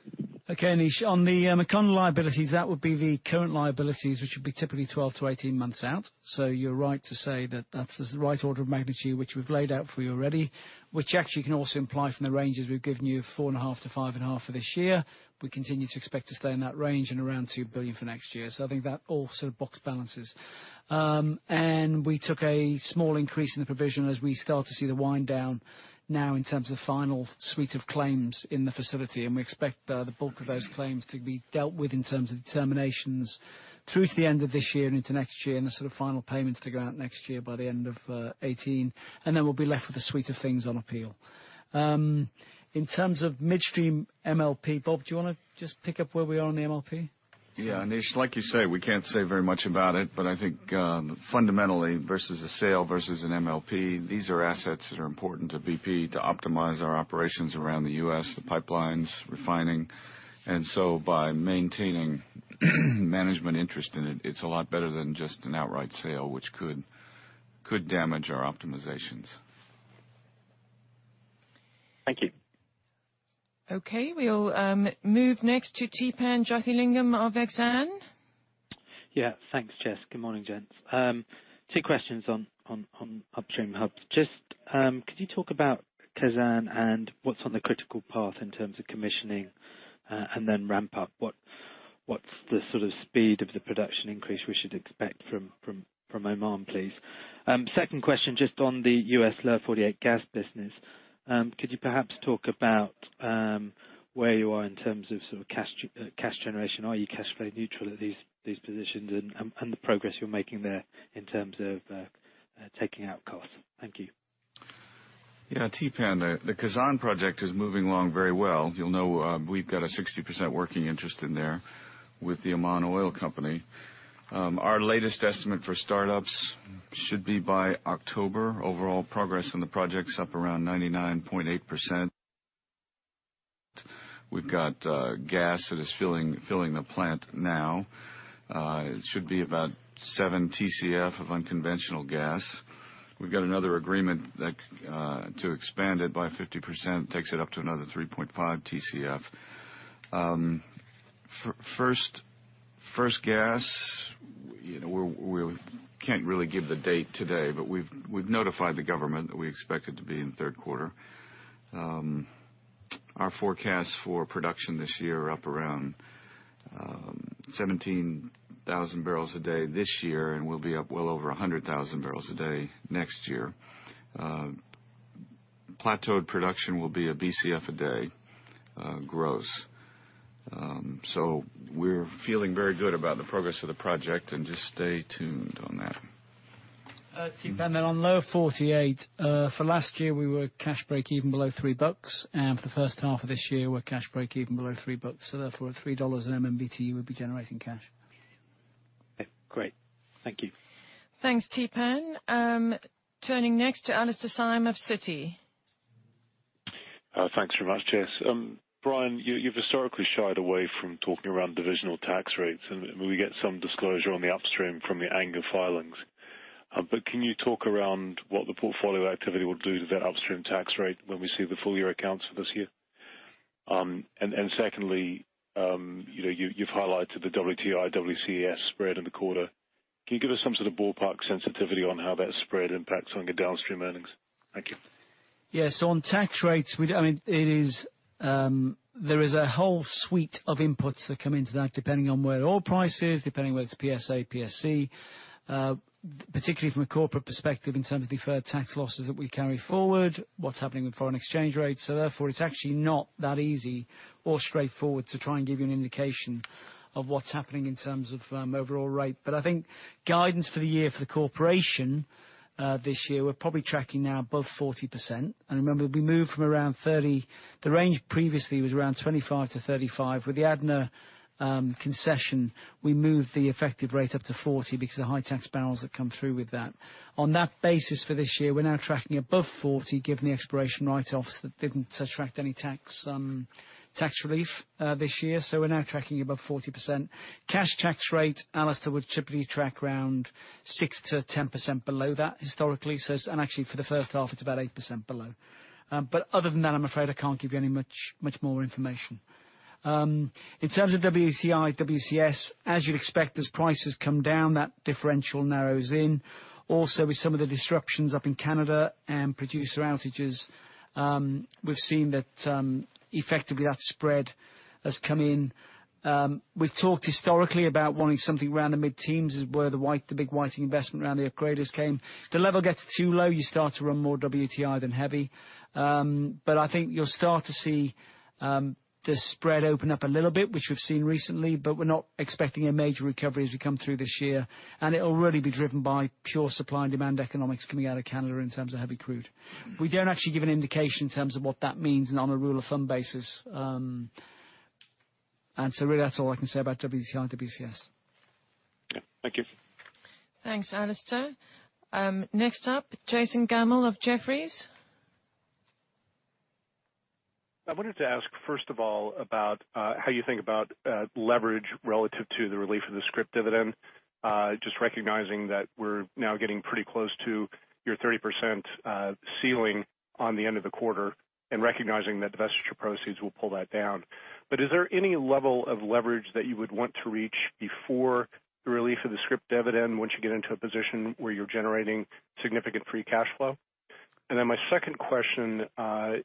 Okay, Anish. On the Macondo liabilities, that would be the current liabilities, which would be typically 12 to 18 months out. You're right to say that that's the right order of magnitude, which we've laid out for you already. Which actually you can also imply from the ranges we've given you of $4.5 billion-$5.5 billion for this year. We continue to expect to stay in that range and around $2 billion for next year. I think that all sort of box balances. We took a small increase in the provision as we start to see the wind down now in terms of final suite of claims in the facility. We expect the bulk of those claims to be dealt with in terms of determinations through to the end of this year and into next year, and the sort of final payments to go out next year by the end of 2018. We'll be left with a suite of things on appeal. In terms of midstream MLP, Bob, do you want to just pick up where we are on the MLP? Yeah, Anish, like you say, we can't say very much about it. I think fundamentally versus a sale versus an MLP, these are assets that are important to BP to optimize our operations around the U.S., the pipelines, refining. By maintaining management interest in it's a lot better than just an outright sale, which could damage our optimizations. Thank you. We'll move next to Theepan Jothilingam of Exane. Thanks, Jess. Good morning, gents. Two questions on upstream hubs. Just could you talk about Khazzan and what's on the critical path in terms of commissioning and then ramp up? What's the sort of speed of the production increase we should expect from Oman, please? Second question, just on the U.S. Lower 48 gas business. Could you perhaps talk about where you are in terms of sort of cash generation? Are you cash flow neutral at these positions and the progress you're making there in terms of taking out costs? Thank you. Theepan, the Khazzan project is moving along very well. You'll know we've got a 60% working interest in there with the Oman Oil Company. Our latest estimate for startups should be by October. Overall progress on the project's up around 99.8%. We've got gas that is filling the plant now. It should be about seven TCF of unconventional gas. We've got another agreement to expand it by 50%, takes it up to another 3.5 TCF. First gas, we can't really give the date today, but we've notified the government that we expect it to be in the third quarter. Our forecast for production this year are up around 17,000 barrels a day this year, and we'll be up well over 100,000 barrels a day next year. Plateaued production will be a BCF a day gross. We're feeling very good about the progress of the project and just stay tuned on that. Theepan, then on Lower 48, for last year we were cash break even below $3. For the first half of this year, we're cash break even below $3. Therefore, at $3 an MMBtu, we'd be generating cash. Great. Thank you. Thanks, Theepan. Turning next to Alastair Syme of Citi. Thanks very much, Jess. Brian, you've historically shied away from talking around divisional tax rates. We get some disclosure on the upstream from the SEC filings. Can you talk around what the portfolio activity will do to that upstream tax rate when we see the full year accounts for this year? Secondly, you've highlighted the WTI, WCS spread in the quarter. Can you give us some sort of ballpark sensitivity on how that spread impacts on your downstream earnings? Thank you. Yes. On tax rates, there is a whole suite of inputs that come into that, depending on where oil price is, depending on where it's PSA, PSC. Particularly from a corporate perspective in terms of deferred tax losses that we carry forward, what's happening with foreign exchange rates. Therefore, it's actually not that easy or straightforward to try and give you an indication of what's happening in terms of overall rate. I think guidance for the year for the corporation, this year, we're probably tracking now above 40%. Remember, the range previously was around 25%-35%. With the ADNOC concession, we moved the effective rate up to 40% because of the high tax barrels that come through with that. On that basis for this year, we're now tracking above 40%, given the exploration write-offs that didn't attract any tax relief this year. We're now tracking above 40%. Cash tax rate, Alastair, would typically track around 6%-10% below that historically. Actually, for the first half, it's about 8% below. Other than that, I'm afraid I can't give you any much more information. In terms of WTI, WCS, as you'd expect, as prices come down, that differential narrows in. Also, with some of the disruptions up in Canada and producer outages, we've seen that effectively that spread has come in. We've talked historically about wanting something around the mid-teens is where the big Whiting investment around the upgraders came. The level gets too low, you start to run more WTI than heavy. I think you'll start to see the spread open up a little bit, which we've seen recently, but we're not expecting a major recovery as we come through this year. It'll really be driven by pure supply and demand economics coming out of Canada in terms of heavy crude. We don't actually give an indication in terms of what that means and on a rule of thumb basis. Really that's all I can say about WTI, WCS. Okay. Thank you. Thanks, Alastair. Next up, Jason Gammel of Jefferies. I wanted to ask, first of all, about how you think about leverage relative to the relief of the scrip dividend. Just recognizing that we're now getting pretty close to your 30% ceiling on the end of the quarter and recognizing that divestiture proceeds will pull that down. Is there any level of leverage that you would want to reach before the relief of the scrip dividend once you get into a position where you're generating significant free cash flow? My second question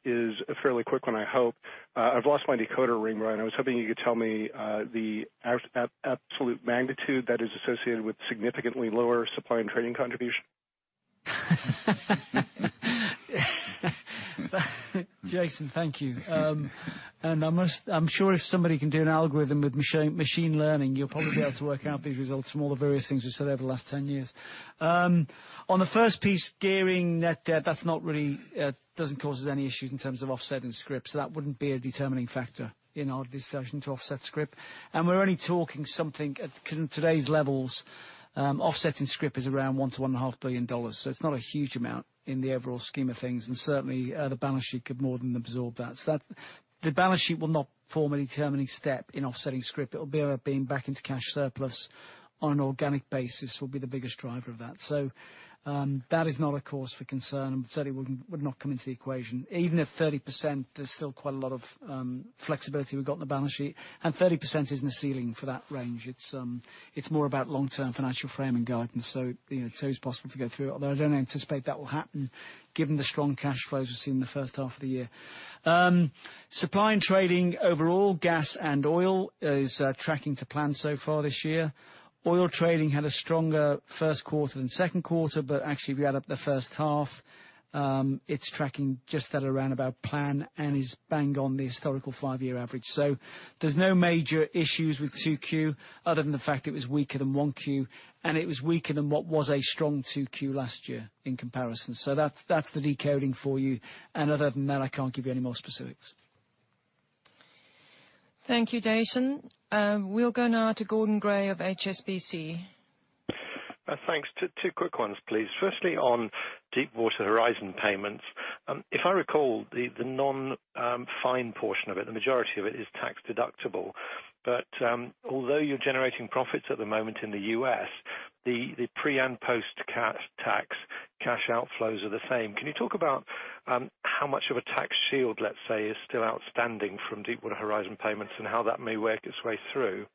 is a fairly quick one, I hope. I've lost my decoder ring, Brian. I was hoping you could tell me the absolute magnitude that is associated with significantly lower supply and trading contribution. Jason, thank you. I'm sure if somebody can do an algorithm with machine learning, you'll probably be able to work out these results from all the various things we've said over the last 10 years. On the first piece, gearing net debt, that doesn't cause us any issues in terms of offsetting scrip. That wouldn't be a determining factor in our discussion to offset scrip. We're only talking something at today's levels, offsetting scrip is around $1 billion-$1.5 billion. It's not a huge amount in the overall scheme of things. Certainly, the balance sheet could more than absorb that. The balance sheet will not form a determining step in offsetting scrip. It will be around being back into cash surplus on an organic basis will be the biggest driver of that. That is not a cause for concern and certainly would not come into the equation. Even at 30%, there's still quite a lot of flexibility we've got in the balance sheet, and 30% isn't a ceiling for that range. It's more about long-term financial framing guidance. It's always possible to go through, although I don't anticipate that will happen given the strong cash flows we've seen in the first half of the year. Supply and trading overall, gas and oil is tracking to plan so far this year. Oil trading had a stronger first quarter than second quarter, but actually if you add up the first half, it's tracking just at around about plan and is bang on the historical five-year average. There's no major issues with 2Q other than the fact it was weaker than 1Q, and it was weaker than what was a strong 2Q last year in comparison. That's the decoding for you. Other than that, I can't give you any more specifics. Thank you, Jason. We'll go now to Gordon Gray of HSBC. Thanks. Two quick ones, please. Firstly, on Deepwater Horizon payments. If I recall, the non-fine portion of it, the majority of it, is tax-deductible. Although you're generating profits at the moment in the U.S., the pre- and post-tax cash outflows are the same. Can you talk about how much of a tax shield, let's say, is still outstanding from Deepwater Horizon payments, and how that may work its way through?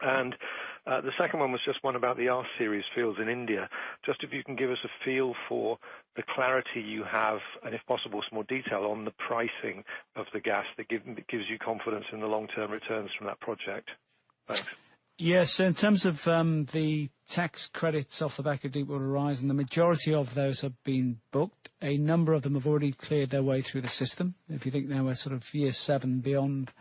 The second one was just one about the R-Series fields in India. Just if you can give us a feel for the clarity you have, and if possible, some more detail on the pricing of the gas that gives you confidence in the long-term returns from that project. Thanks. Yes. In terms of the tax credits off the back of Deepwater Horizon, the majority of those have been booked. A number of them have already cleared their way through the system. If you think now we're sort of year seven beyond,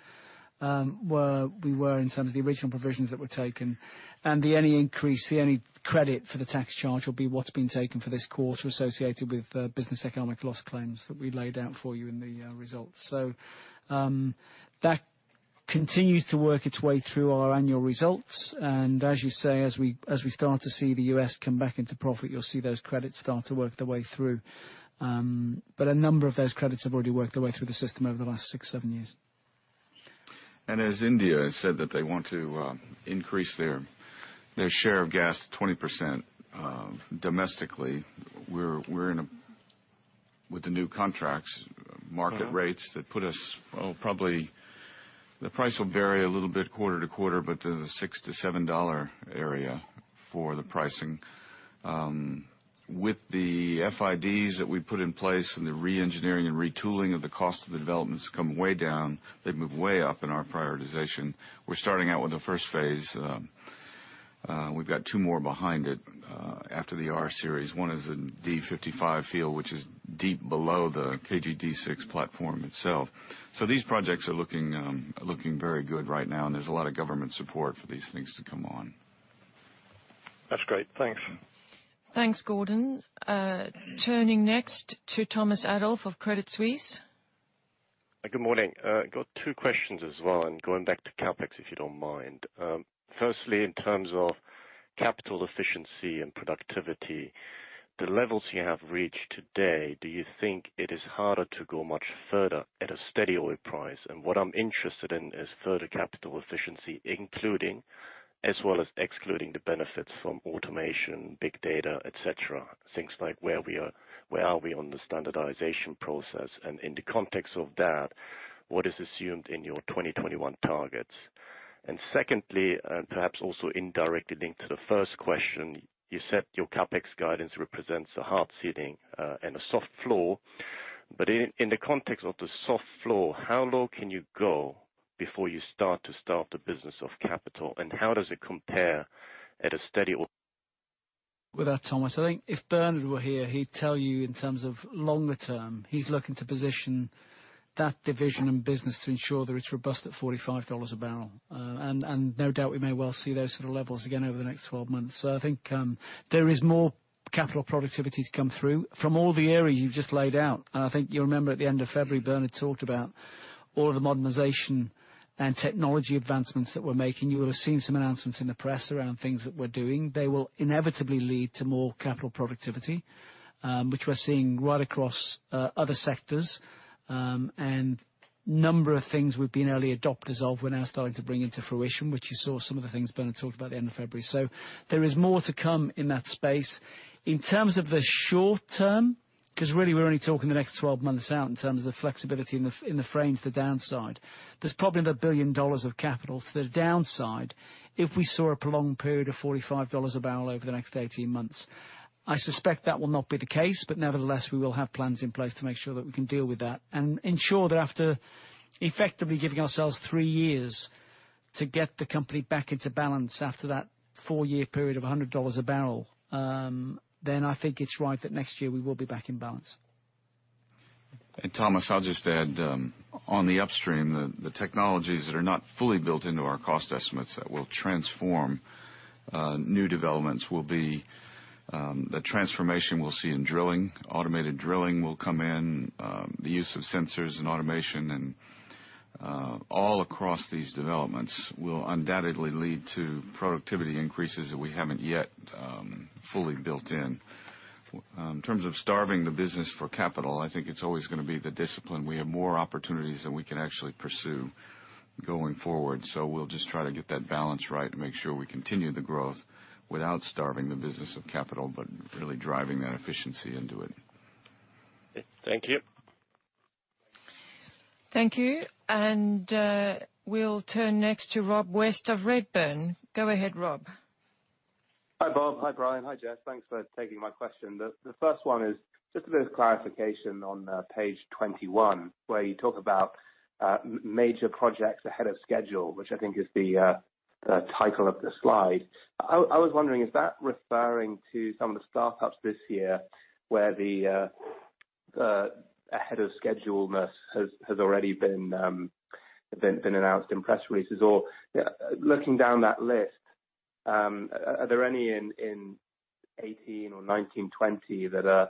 where we were in terms of the original provisions that were taken. The only increase, the only credit for the tax charge, will be what's been taken for this quarter associated with business economic loss claims that we laid out for you in the results. That continues to work its way through our annual results. As you say, as we start to see the U.S. come back into profit, you'll see those credits start to work their way through. A number of those credits have already worked their way through the system over the last six, seven years. As India has said that they want to increase their share of gas to 20% domestically, with the new contracts, market rates that put us, probably, the price will vary a little bit quarter to quarter, but in the $6 to $7 area for the pricing. With the FIDs that we put in place and the re-engineering and retooling of the cost of the developments come way down, they move way up in our prioritization. We're starting out with the first phase. We've got two more behind it after the R-Series. One is the D55 field, which is deep below the KG-D6 platform itself. These projects are looking very good right now, and there's a lot of government support for these things to come on. That's great. Thanks. Thanks, Gordon. Turning next to Thomas Adolff of Credit Suisse. I've got two questions as well, going back to CapEx, if you don't mind. Firstly, in terms of capital efficiency and productivity, the levels you have reached today, do you think it is harder to go much further at a steady oil price? What I'm interested in is further capital efficiency, including as well as excluding the benefits from automation, big data, et cetera. Things like where are we on the standardization process. In the context of that, what is assumed in your 2021 targets? Secondly, perhaps also indirectly linked to the first question, you said your CapEx guidance represents a hard ceiling and a soft floor. In the context of the soft floor, how low can you go before you start to starve the business of capital? How does it compare at a steady oil- Well, Thomas, I think if Bernard were here, he'd tell you in terms of longer term, he's looking to position that division and business to ensure that it's robust at $45 a barrel. No doubt we may well see those sort of levels again over the next 12 months. I think there is more capital productivity to come through from all the areas you've just laid out. I think you'll remember at the end of February, Bernard talked about all of the modernization and technology advancements that we're making. You will have seen some announcements in the press around things that we're doing. They will inevitably lead to more capital productivity, which we're seeing right across other sectors. A number of things we've been early adopters of, we're now starting to bring into fruition, which you saw some of the things Bernard talked about at the end of February. There is more to come in that space. In terms of the short term, because really, we're only talking the next 12 months out in terms of the flexibility in the frame for the downside. There's probably another $1 billion of capital to the downside if we saw a prolonged period of $45 a barrel over the next 18 months. I suspect that will not be the case, nevertheless, we will have plans in place to make sure that we can deal with that. Ensure that after effectively giving ourselves three years to get the company back into balance after that four-year period of $100 a barrel, I think it's right that next year we will be back in balance. Thomas, I'll just add, on the upstream, the technologies that are not fully built into our cost estimates that will transform new developments will be the transformation we'll see in drilling. Automated drilling will come in, the use of sensors and automation, and all across these developments will undoubtedly lead to productivity increases that we haven't yet fully built in. In terms of starving the business for capital, I think it's always going to be the discipline. We have more opportunities than we can actually pursue going forward. We'll just try to get that balance right and make sure we continue the growth without starving the business of capital, but really driving that efficiency into it. Thank you. Thank you. We'll turn next to Rob West of Redburn. Go ahead, Rob. Hi, Bob. Hi, Brian. Hi, Jess. Thanks for taking my question. The first one is just a bit of clarification on page 21, where you talk about major projects ahead of schedule, which I think is the title of the slide. I was wondering, is that referring to some of the startups this year where the ahead of schedule-ness has already been announced in press releases? Looking down that list, are there any in 2018 or 2019, 2020 that are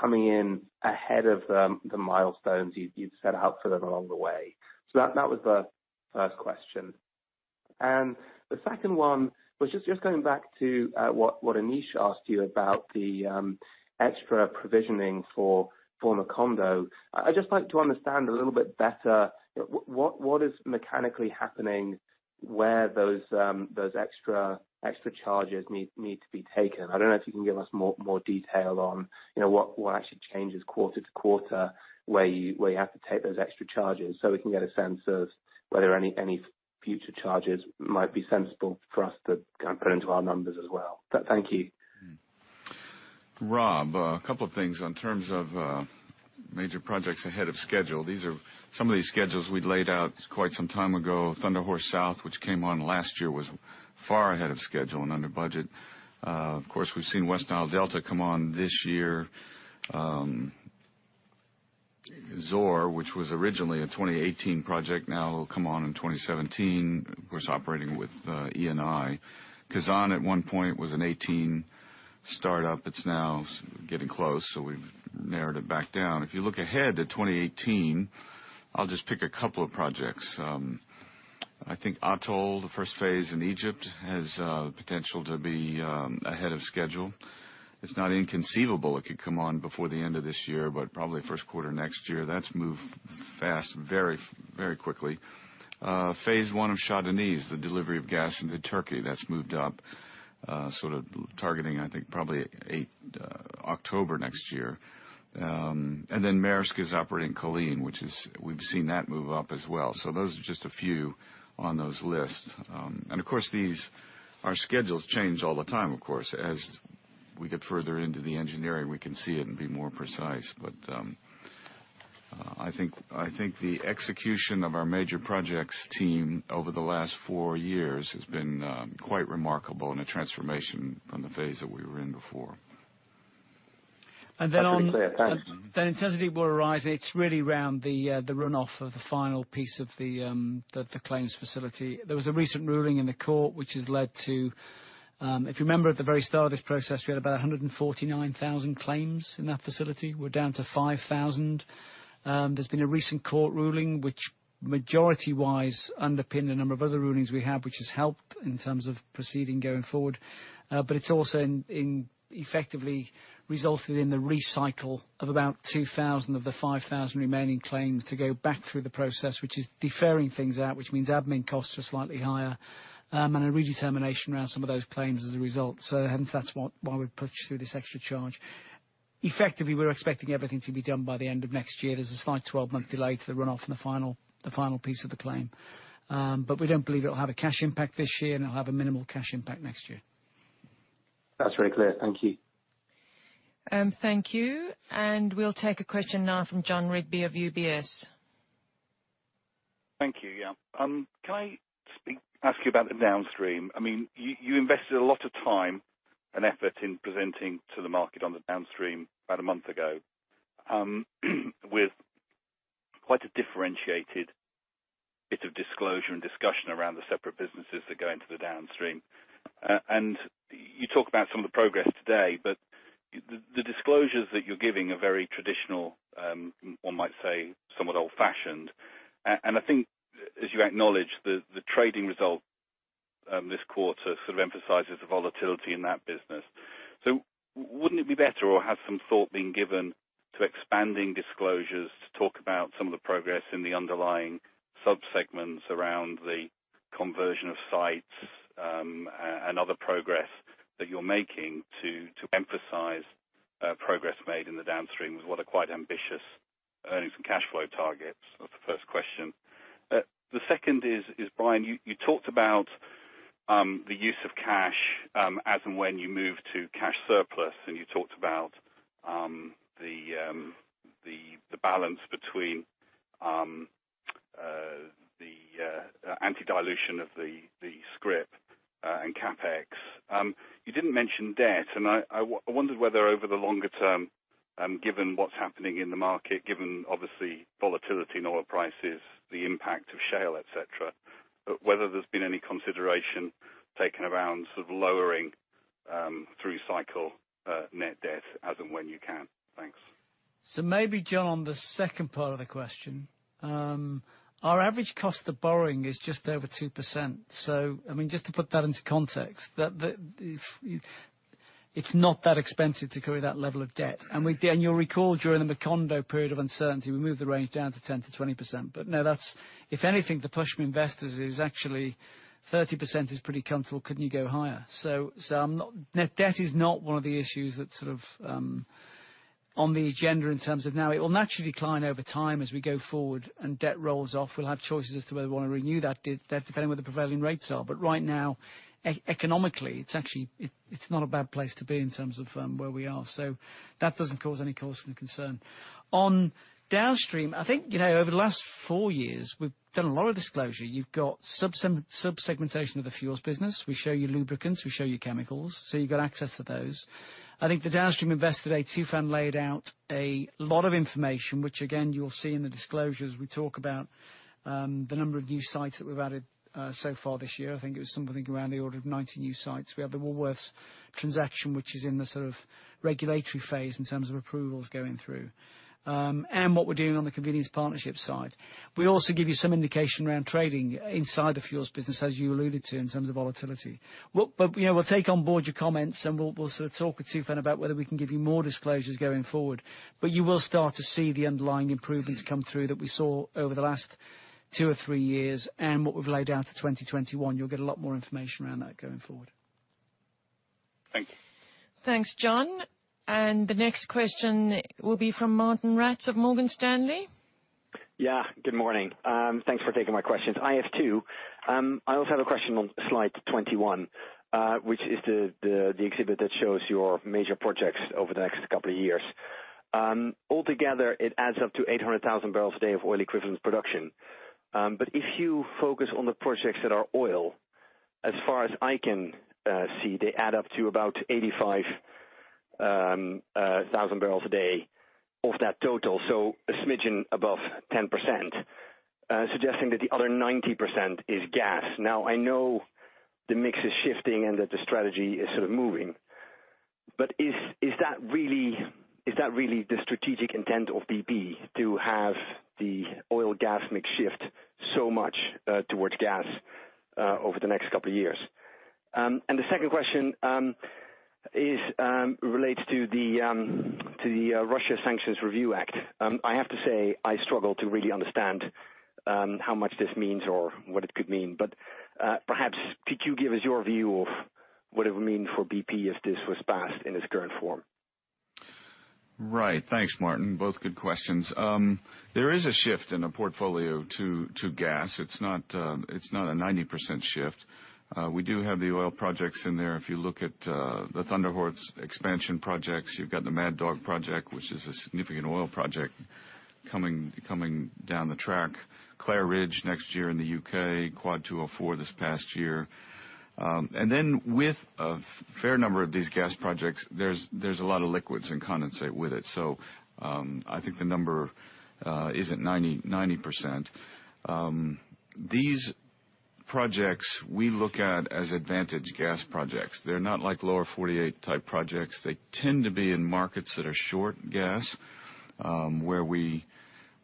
coming in ahead of the milestones you'd set out for them along the way? That was the first question. The second one was just going back to what Anish asked you about the extra provisioning for Macondo. I'd just like to understand a little bit better what is mechanically happening, where those extra charges need to be taken. I don't know if you can give us more detail on what actually changes quarter-to-quarter, where you have to take those extra charges so we can get a sense of whether any future charges might be sensible for us to put into our numbers as well. Thank you. Rob, a couple of things in terms of major projects ahead of schedule. Some of these schedules we'd laid out quite some time ago. Thunder Horse South, which came on last year, was far ahead of schedule and under budget. Of course, we've seen West Nile Delta come on this year. Zohr, which was originally a 2018 project, now will come on in 2017. Of course, operating with Eni. Khazzan at one point was a 2018 startup. It's now getting close, so we've narrowed it back down. If you look ahead to 2018, I'll just pick a couple of projects. I think Atoll, the first phase in Egypt, has potential to be ahead of schedule. It's not inconceivable it could come on before the end of this year, but probably first quarter next year. That's moved fast, very quickly. Phase one of Shah Deniz, the delivery of gas into Turkey, that's moved up, sort of targeting, I think, probably October next year. Maersk is operating Culzean, which we've seen that move up as well. Those are just a few on those lists. Of course, our schedules change all the time, of course. As we get further into the engineering, we can see it and be more precise. I think the execution of our major projects team over the last four years has been quite remarkable, and a transformation from the phase that we were in before. That's very clear. Thanks. On the intensity will arise. It's really around the runoff of the final piece of the claims facility. There was a recent ruling in the court which has led to. If you remember at the very start of this process, we had about 149,000 claims in that facility. We're down to 5,000. There's been a recent court ruling which majority-wise underpinned a number of other rulings we have, which has helped in terms of proceeding going forward. It's also effectively resulted in the recycle of about 2,000 of the 5,000 remaining claims to go back through the process, which is deferring things out, which means admin costs are slightly higher, and a redetermination around some of those claims as a result. That's why we've pushed through this extra charge. Effectively, we're expecting everything to be done by the end of next year. There's a slight 12-month delay to the runoff in the final piece of the claim. We don't believe it will have a cash impact this year, and it'll have a minimal cash impact next year. That's very clear. Thank you. Thank you. We'll take a question now from Jon Rigby of UBS. Thank you. Yeah. Can I ask you about the downstream? You invested a lot of time and effort in presenting to the market on the downstream about a month ago, with quite a differentiated bit of disclosure and discussion around the separate businesses that go into the downstream. You talk about some of the progress today, but the disclosures that you're giving are very traditional, one might say somewhat old-fashioned. I think as you acknowledge, the trading result this quarter sort of emphasizes the volatility in that business. Wouldn't it be better or has some thought been given to expanding disclosures to talk about some of the progress in the underlying sub-segments around the conversion of sites, and other progress that you're making to emphasize progress made in the downstream with what are quite ambitious earnings and cash flow targets? That's the first question. The second is, Brian, you talked about the use of cash, as in when you move to cash surplus, and you talked about the balance between the anti-dilution of the scrip and CapEx. You didn't mention debt, and I wondered whether over the longer term, given what's happening in the market, given obviously volatility in oil prices, the impact of shale, et cetera, whether there's been any consideration taken around sort of lowering through cycle net debt as in when you can. Thanks. Maybe, Jon, on the second part of the question. Our average cost of borrowing is just over 2%. Just to put that into context, it's not that expensive to carry that level of debt. You'll recall, during the Macondo period of uncertainty, we moved the range down to 10%-20%. No, if anything, the push from investors is actually 30% is pretty comfortable, couldn't you go higher? Net debt is not one of the issues that's sort of on the agenda in terms of now. It will naturally decline over time as we go forward and debt rolls off. We'll have choices as to whether we want to renew that debt, depending where the prevailing rates are. Right now, economically, it's not a bad place to be in terms of where we are. That doesn't cause any concern. On downstream, I think, over the last four years, we've done a lot of disclosure. You've got sub-segmentation of the fuels business. We show you lubricants, we show you chemicals. You got access to those. I think the downstream investor day, Tufan laid out a lot of information, which again, you will see in the disclosures. We talk about the number of new sites that we've added so far this year. I think it was something around the order of 90 new sites. We have the Woolworths transaction, which is in the sort of regulatory phase in terms of approvals going through. What we're doing on the convenience partnership side. We also give you some indication around trading inside the fuels business, as you alluded to, in terms of volatility. We'll take on board your comments, and we'll sort of talk with Tufan about whether we can give you more disclosures going forward. You will start to see the underlying improvements come through that we saw over the last two or three years and what we've laid out to 2021. You'll get a lot more information around that going forward. Thanks. Thanks, Jon. The next question will be from Martijn Rats of Morgan Stanley. Good morning. Thanks for taking my questions. I have two. I also have a question on slide 21, which is the exhibit that shows your major projects over the next couple of years. Altogether, it adds up to 800,000 barrels a day of oil equivalent production. If you focus on the projects that are oil, as far as I can see, they add up to about 85,000 barrels a day of that total. A smidgen above 10%, suggesting that the other 90% is gas. Now, I know the mix is shifting and that the strategy is sort of moving, but is that really the strategic intent of BP to have the oil gas mix shift so much towards gas over the next couple of years? The second question relates to the Russia Sanctions Review Act. I have to say, I struggle to really understand how much this means or what it could mean. Perhaps could you give us your view of what it would mean for BP if this was passed in its current form? Right. Thanks, Martijn. Both good questions. There is a shift in the portfolio to gas. It's not a 90% shift. We do have the oil projects in there. If you look at the Thunder Horse expansion projects, you've got the Mad Dog project, which is a significant oil project coming down the track. Clair Ridge, next year in the U.K. Quad 204 this past year. Then with a fair number of these gas projects, there's a lot of liquids and condensate with it. I think the number isn't 90%. These projects we look at as advantage gas projects. They're not like Lower 48 type projects. They tend to be in markets that are short gas, where we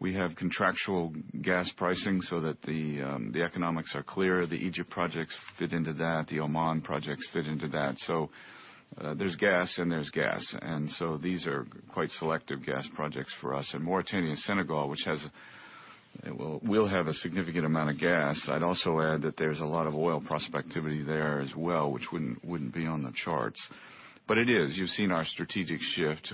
have contractual gas pricing so that the economics are clear. The Egypt projects fit into that, the Oman projects fit into that. There's gas and there's gas. These are quite selective gas projects for us. Mauritania and Senegal, which will have a significant amount of gas, I'd also add that there's a lot of oil prospectivity there as well, which wouldn't be on the charts. It is. You've seen our strategic shift.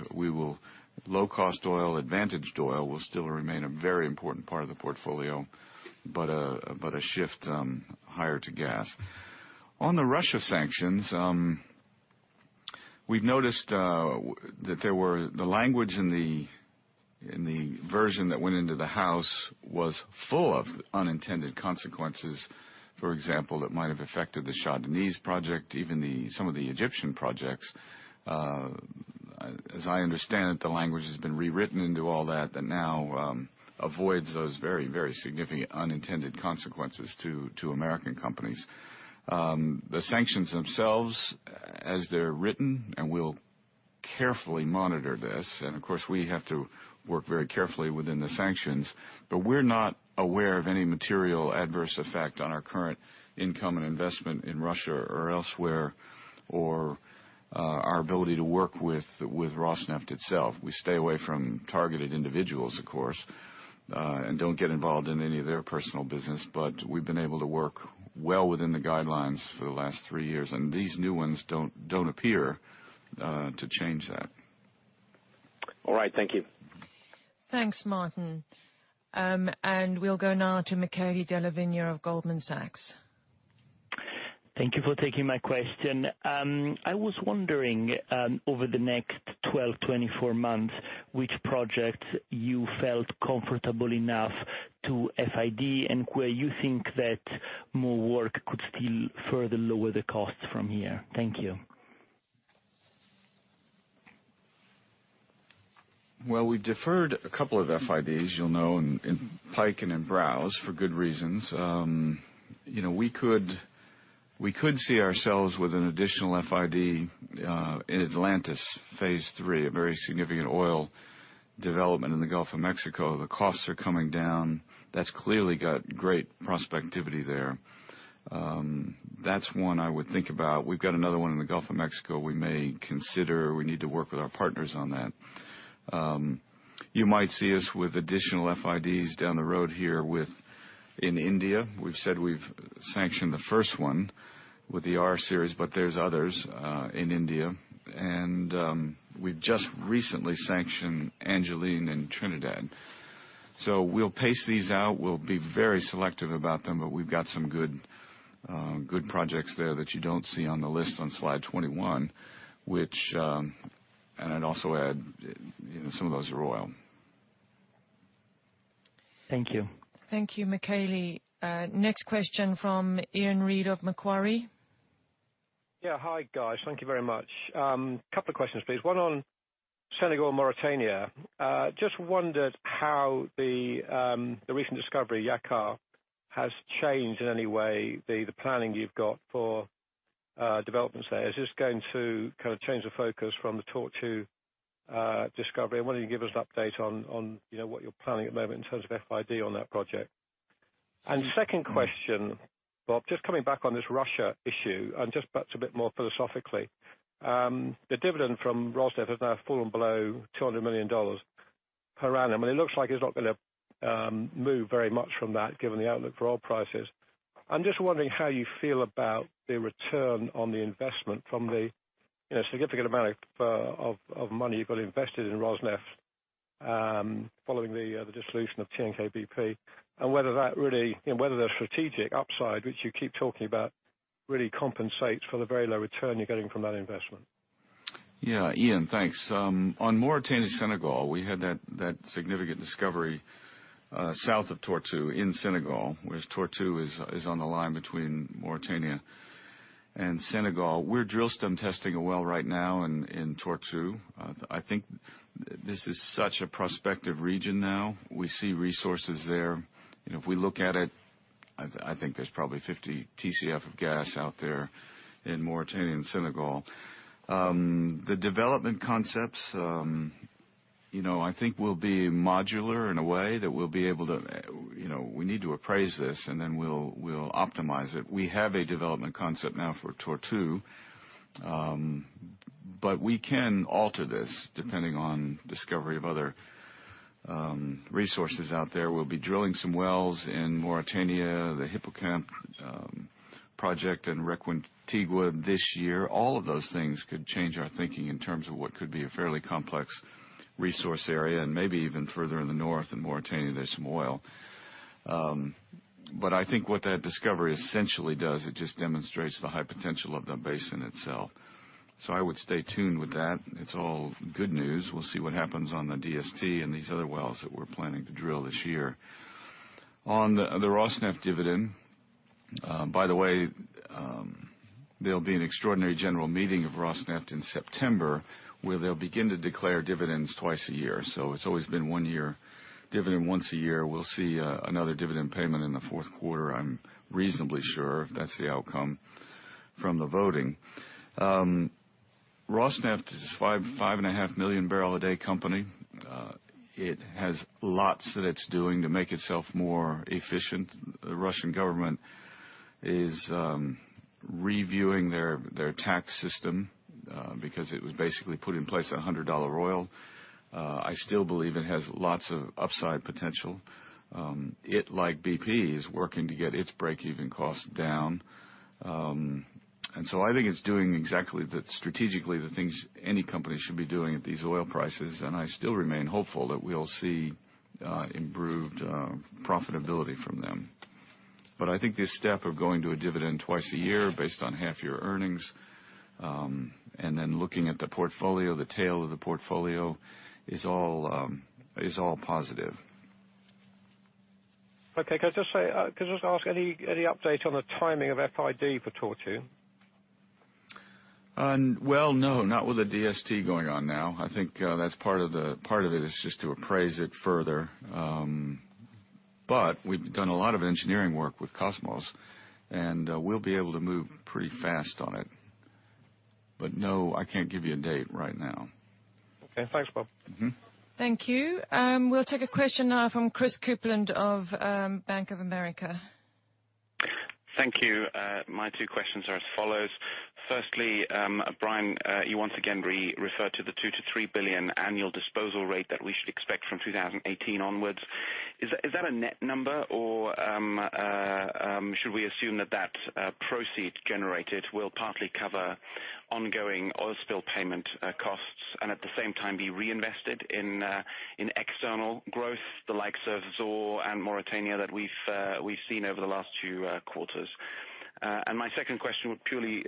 Low cost oil, advantaged oil, will still remain a very important part of the portfolio, but a shift higher to gas. On the Russia sanctions, we've noticed that the language in the version that went into the House was full of unintended consequences, for example, that might have affected the Shah Deniz project, even some of the Egyptian projects. As I understand it, the language has been rewritten into all that now avoids those very, very significant unintended consequences to American companies. The sanctions themselves, as they're written, we'll carefully monitor this, of course, we have to work very carefully within the sanctions, we're not aware of any material adverse effect on our current income and investment in Russia or elsewhere, or our ability to work with Rosneft itself. We stay away from targeted individuals, of course, don't get involved in any of their personal business. We've been able to work well within the guidelines for the last three years, and these new ones don't appear to change that. All right. Thank you. Thanks, Martijn. We'll go now to Michele Della Vigna of Goldman Sachs. Thank you for taking my question. I was wondering, over the next 12, 24 months, which project you felt comfortable enough to FID and where you think that more work could still further lower the cost from here. Thank you. Well, we deferred a couple of FIDs, you'll know, in Pike and in Browse for good reasons. We could see ourselves with an additional FID in Atlantis Phase 3, a very significant oil development in the Gulf of Mexico. The costs are coming down. That's clearly got great prospectivity there. That's one I would think about. We've got another one in the Gulf of Mexico we may consider. We need to work with our partners on that. You might see us with additional FIDs down the road here in India. We've said we've sanctioned the first one with the R-Series, but there's others in India. We've just recently sanctioned Angelin in Trinidad. We'll pace these out. We'll be very selective about them, but we've got some good projects there that you don't see on the list on slide 21. I'd also add, some of those are oil. Thank you. Thank you, Michele. Next question from Iain Reid of Macquarie. Yeah. Hi, guys. Thank you very much. Couple of questions, please. One on Senegal and Mauritania. Just wondered how the recent discovery, Yakaar, has changed in any way the planning you've got for developments there. Is this going to change the focus from the Tortue discovery? I'm wondering if you can give us an update on what you're planning at the moment in terms of FID on that project. Second question, Bob, just coming back on this Russia issue, and just perhaps a bit more philosophically. The dividend from Rosneft has now fallen below $200 million. per annum, it looks like it's not going to move very much from that given the outlook for oil prices. I'm just wondering how you feel about the return on the investment from the significant amount of money you've got invested in Rosneft, following the dissolution of TNK-BP, whether the strategic upside, which you keep talking about, really compensates for the very low return you're getting from that investment. Iain, thanks. On Mauritania, Senegal, we had that significant discovery south of Tortue in Senegal, whereas Tortue is on the line between Mauritania and Senegal. We are drill stem testing a well right now in Tortue. I think this is such a prospective region now. We see resources there. If we look at it, I think there is probably 50 TCF of gas out there in Mauritania and Senegal. The development concepts, I think, will be modular in a way that we will be able to. We need to appraise this, and then we will optimize it. We have a development concept now for Tortue. We can alter this depending on discovery of other resources out there. We will be drilling some wells in Mauritania, the Hippocampe project, and Requin Tigre this year. All of those things could change our thinking in terms of what could be a fairly complex resource area, and maybe even further in the north in Mauritania, there is some oil. I think what that discovery essentially does, it just demonstrates the high potential of the basin itself. I would stay tuned with that. It is all good news. We will see what happens on the DST and these other wells that we are planning to drill this year. On the Rosneft dividend, by the way, there will be an extraordinary general meeting of Rosneft in September where they will begin to declare dividends twice a year. It has always been one year, dividend once a year. We will see another dividend payment in the fourth quarter. I am reasonably sure that is the outcome from the voting. Rosneft is a 5.5 million barrel a day company. It has lots that it is doing to make itself more efficient. The Russian government is reviewing their tax system because it was basically put in place at $100 oil. I still believe it has lots of upside potential. It, like BP, is working to get its breakeven cost down. I think it is doing exactly strategically the things any company should be doing at these oil prices, and I still remain hopeful that we will see improved profitability from them. I think this step of going to a dividend twice a year based on half-year earnings, and then looking at the portfolio, the tail of the portfolio is all positive. Can I just ask, any update on the timing of FID for Tortue? Well, no, not with the DST going on now. I think part of it is just to appraise it further. We've done a lot of engineering work with Kosmos, and we'll be able to move pretty fast on it. No, I can't give you a date right now. Okay. Thanks, Bob. Thank you. We'll take a question now from Christopher Kuplent of Bank of America. Thank you. My two questions are as follows. Firstly, Brian, you once again referred to the $2 billion-$3 billion annual disposal rate that we should expect from 2018 onwards. Is that a net number, or should we assume that that proceed generated will partly cover ongoing oil spill payment costs and at the same time be reinvested in external growth, the likes of Zohr and Mauritania that we've seen over the last two quarters? My second question would purely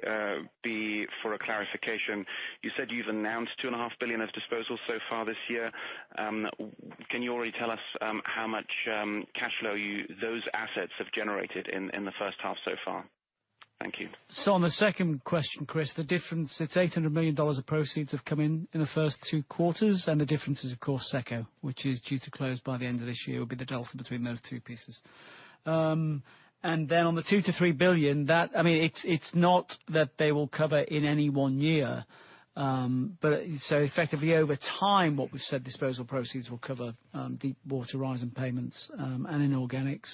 be for a clarification. You said you've announced $ two and a half billion of disposals so far this year. Can you already tell us how much cash flow those assets have generated in the first half so far? Thank you. On the second question, Chris, the difference, it's $800 million of proceeds have come in in the first two quarters, and the difference is, of course, SECCO, which is due to close by the end of this year, will be the delta between those two pieces. On the $2 billion-$3 billion, it's not that they will cover in any one year. Effectively, over time, what we've said, disposal proceeds will cover Deepwater Horizon payments and inorganics.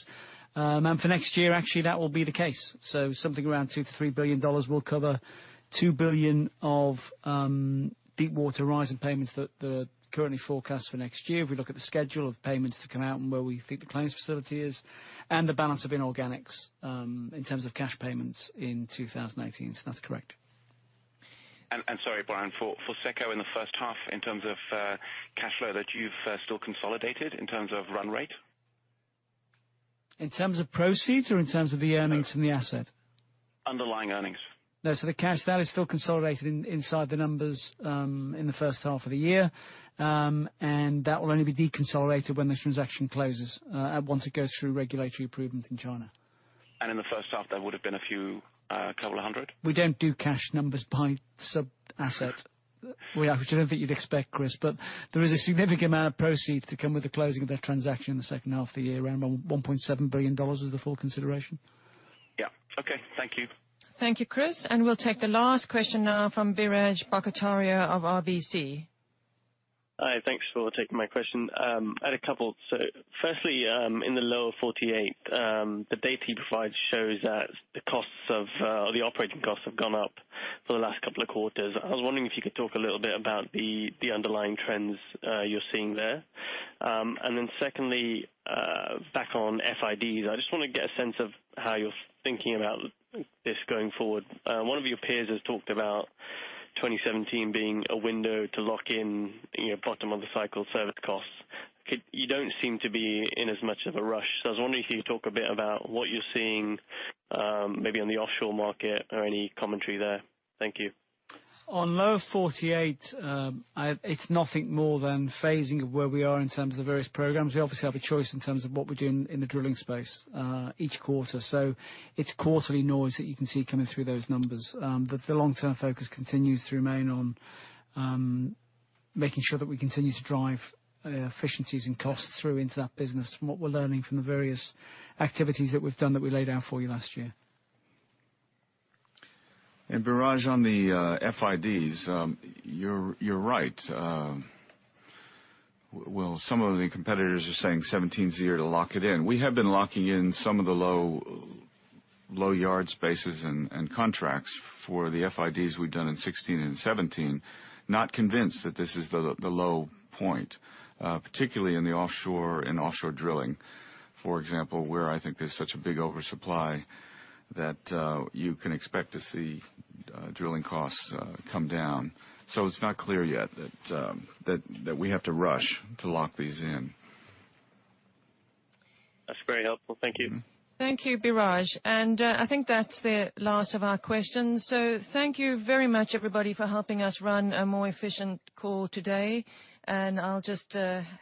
For next year, actually, that will be the case. Something around $2 billion-$3 billion will cover $2 billion of Deepwater Horizon payments that are currently forecast for next year. If we look at the schedule of payments to come out and where we think the claims facility is, and the balance of inorganics in terms of cash payments in 2018. That's correct. Sorry, Brian, for SECCO in the first half in terms of cash flow that you've still consolidated in terms of run rate? In terms of proceeds or in terms of the earnings from the asset? Underlying earnings. The cash that is still consolidated inside the numbers in the first half of the year, that will only be deconsolidated when the transaction closes, once it goes through regulatory approval in China. In the first half, that would have been a few, couple of hundred? We don't do cash numbers by sub-asset. I don't think you'd expect, Chris, there is a significant amount of proceeds to come with the closing of that transaction in the second half of the year, around $1.7 billion is the full consideration. Yeah. Okay. Thank you. Thank you, Chris. We'll take the last question now from Biraj Borkhataria of RBC. Hi, thanks for taking my question. I had a couple. Firstly, in the lower 48, the data you provide shows that the operating costs have gone up for the last couple of quarters. I was wondering if you could talk a little bit about the underlying trends you're seeing there. Then secondly, back on FIDs. I just want to get a sense of how you're thinking about this going forward. One of your peers has talked about 2017 being a window to lock in bottom-of-the-cycle service costs. You don't seem to be in as much of a rush. I was wondering if you could talk a bit about what you're seeing, maybe on the offshore market or any commentary there. Thank you. On Lower 48, it's nothing more than phasing of where we are in terms of the various programs. We obviously have a choice in terms of what we're doing in the drilling space each quarter. It's quarterly noise that you can see coming through those numbers. The long-term focus continues to remain on making sure that we continue to drive efficiencies in costs through into that business from what we're learning from the various activities that we've done that we laid out for you last year. Biraj, on the FIDs, you're right. Some of the competitors are saying 2017 is the year to lock it in. We have been locking in some of the low yard spaces and contracts for the FIDs we've done in 2016 and 2017. Not convinced that this is the low point, particularly in the offshore and offshore drilling, for example, where I think there's such a big oversupply that you can expect to see drilling costs come down. It's not clear yet that we have to rush to lock these in. That's very helpful. Thank you. Thank you, Biraj. I think that's the last of our questions. Thank you very much, everybody, for helping us run a more efficient call today. I'll just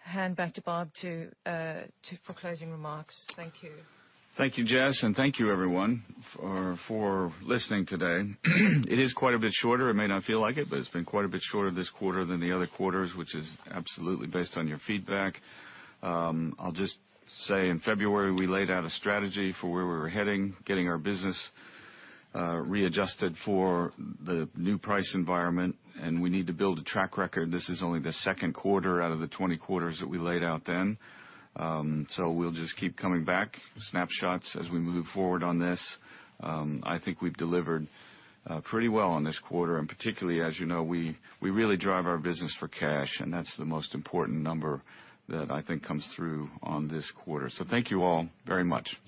hand back to Bob for closing remarks. Thank you. Thank you, Jess, thank you everyone for listening today. It is quite a bit shorter. It may not feel like it, but it's been quite a bit shorter this quarter than the other quarters, which is absolutely based on your feedback. I'll just say, in February, we laid out a strategy for where we were heading, getting our business readjusted for the new price environment, and we need to build a track record. This is only the second quarter out of the 20 quarters that we laid out then. We'll just keep coming back, snapshots as we move forward on this. I think we've delivered pretty well on this quarter. Particularly, as you know, we really drive our business for cash, and that's the most important number that I think comes through on this quarter. Thank you all very much.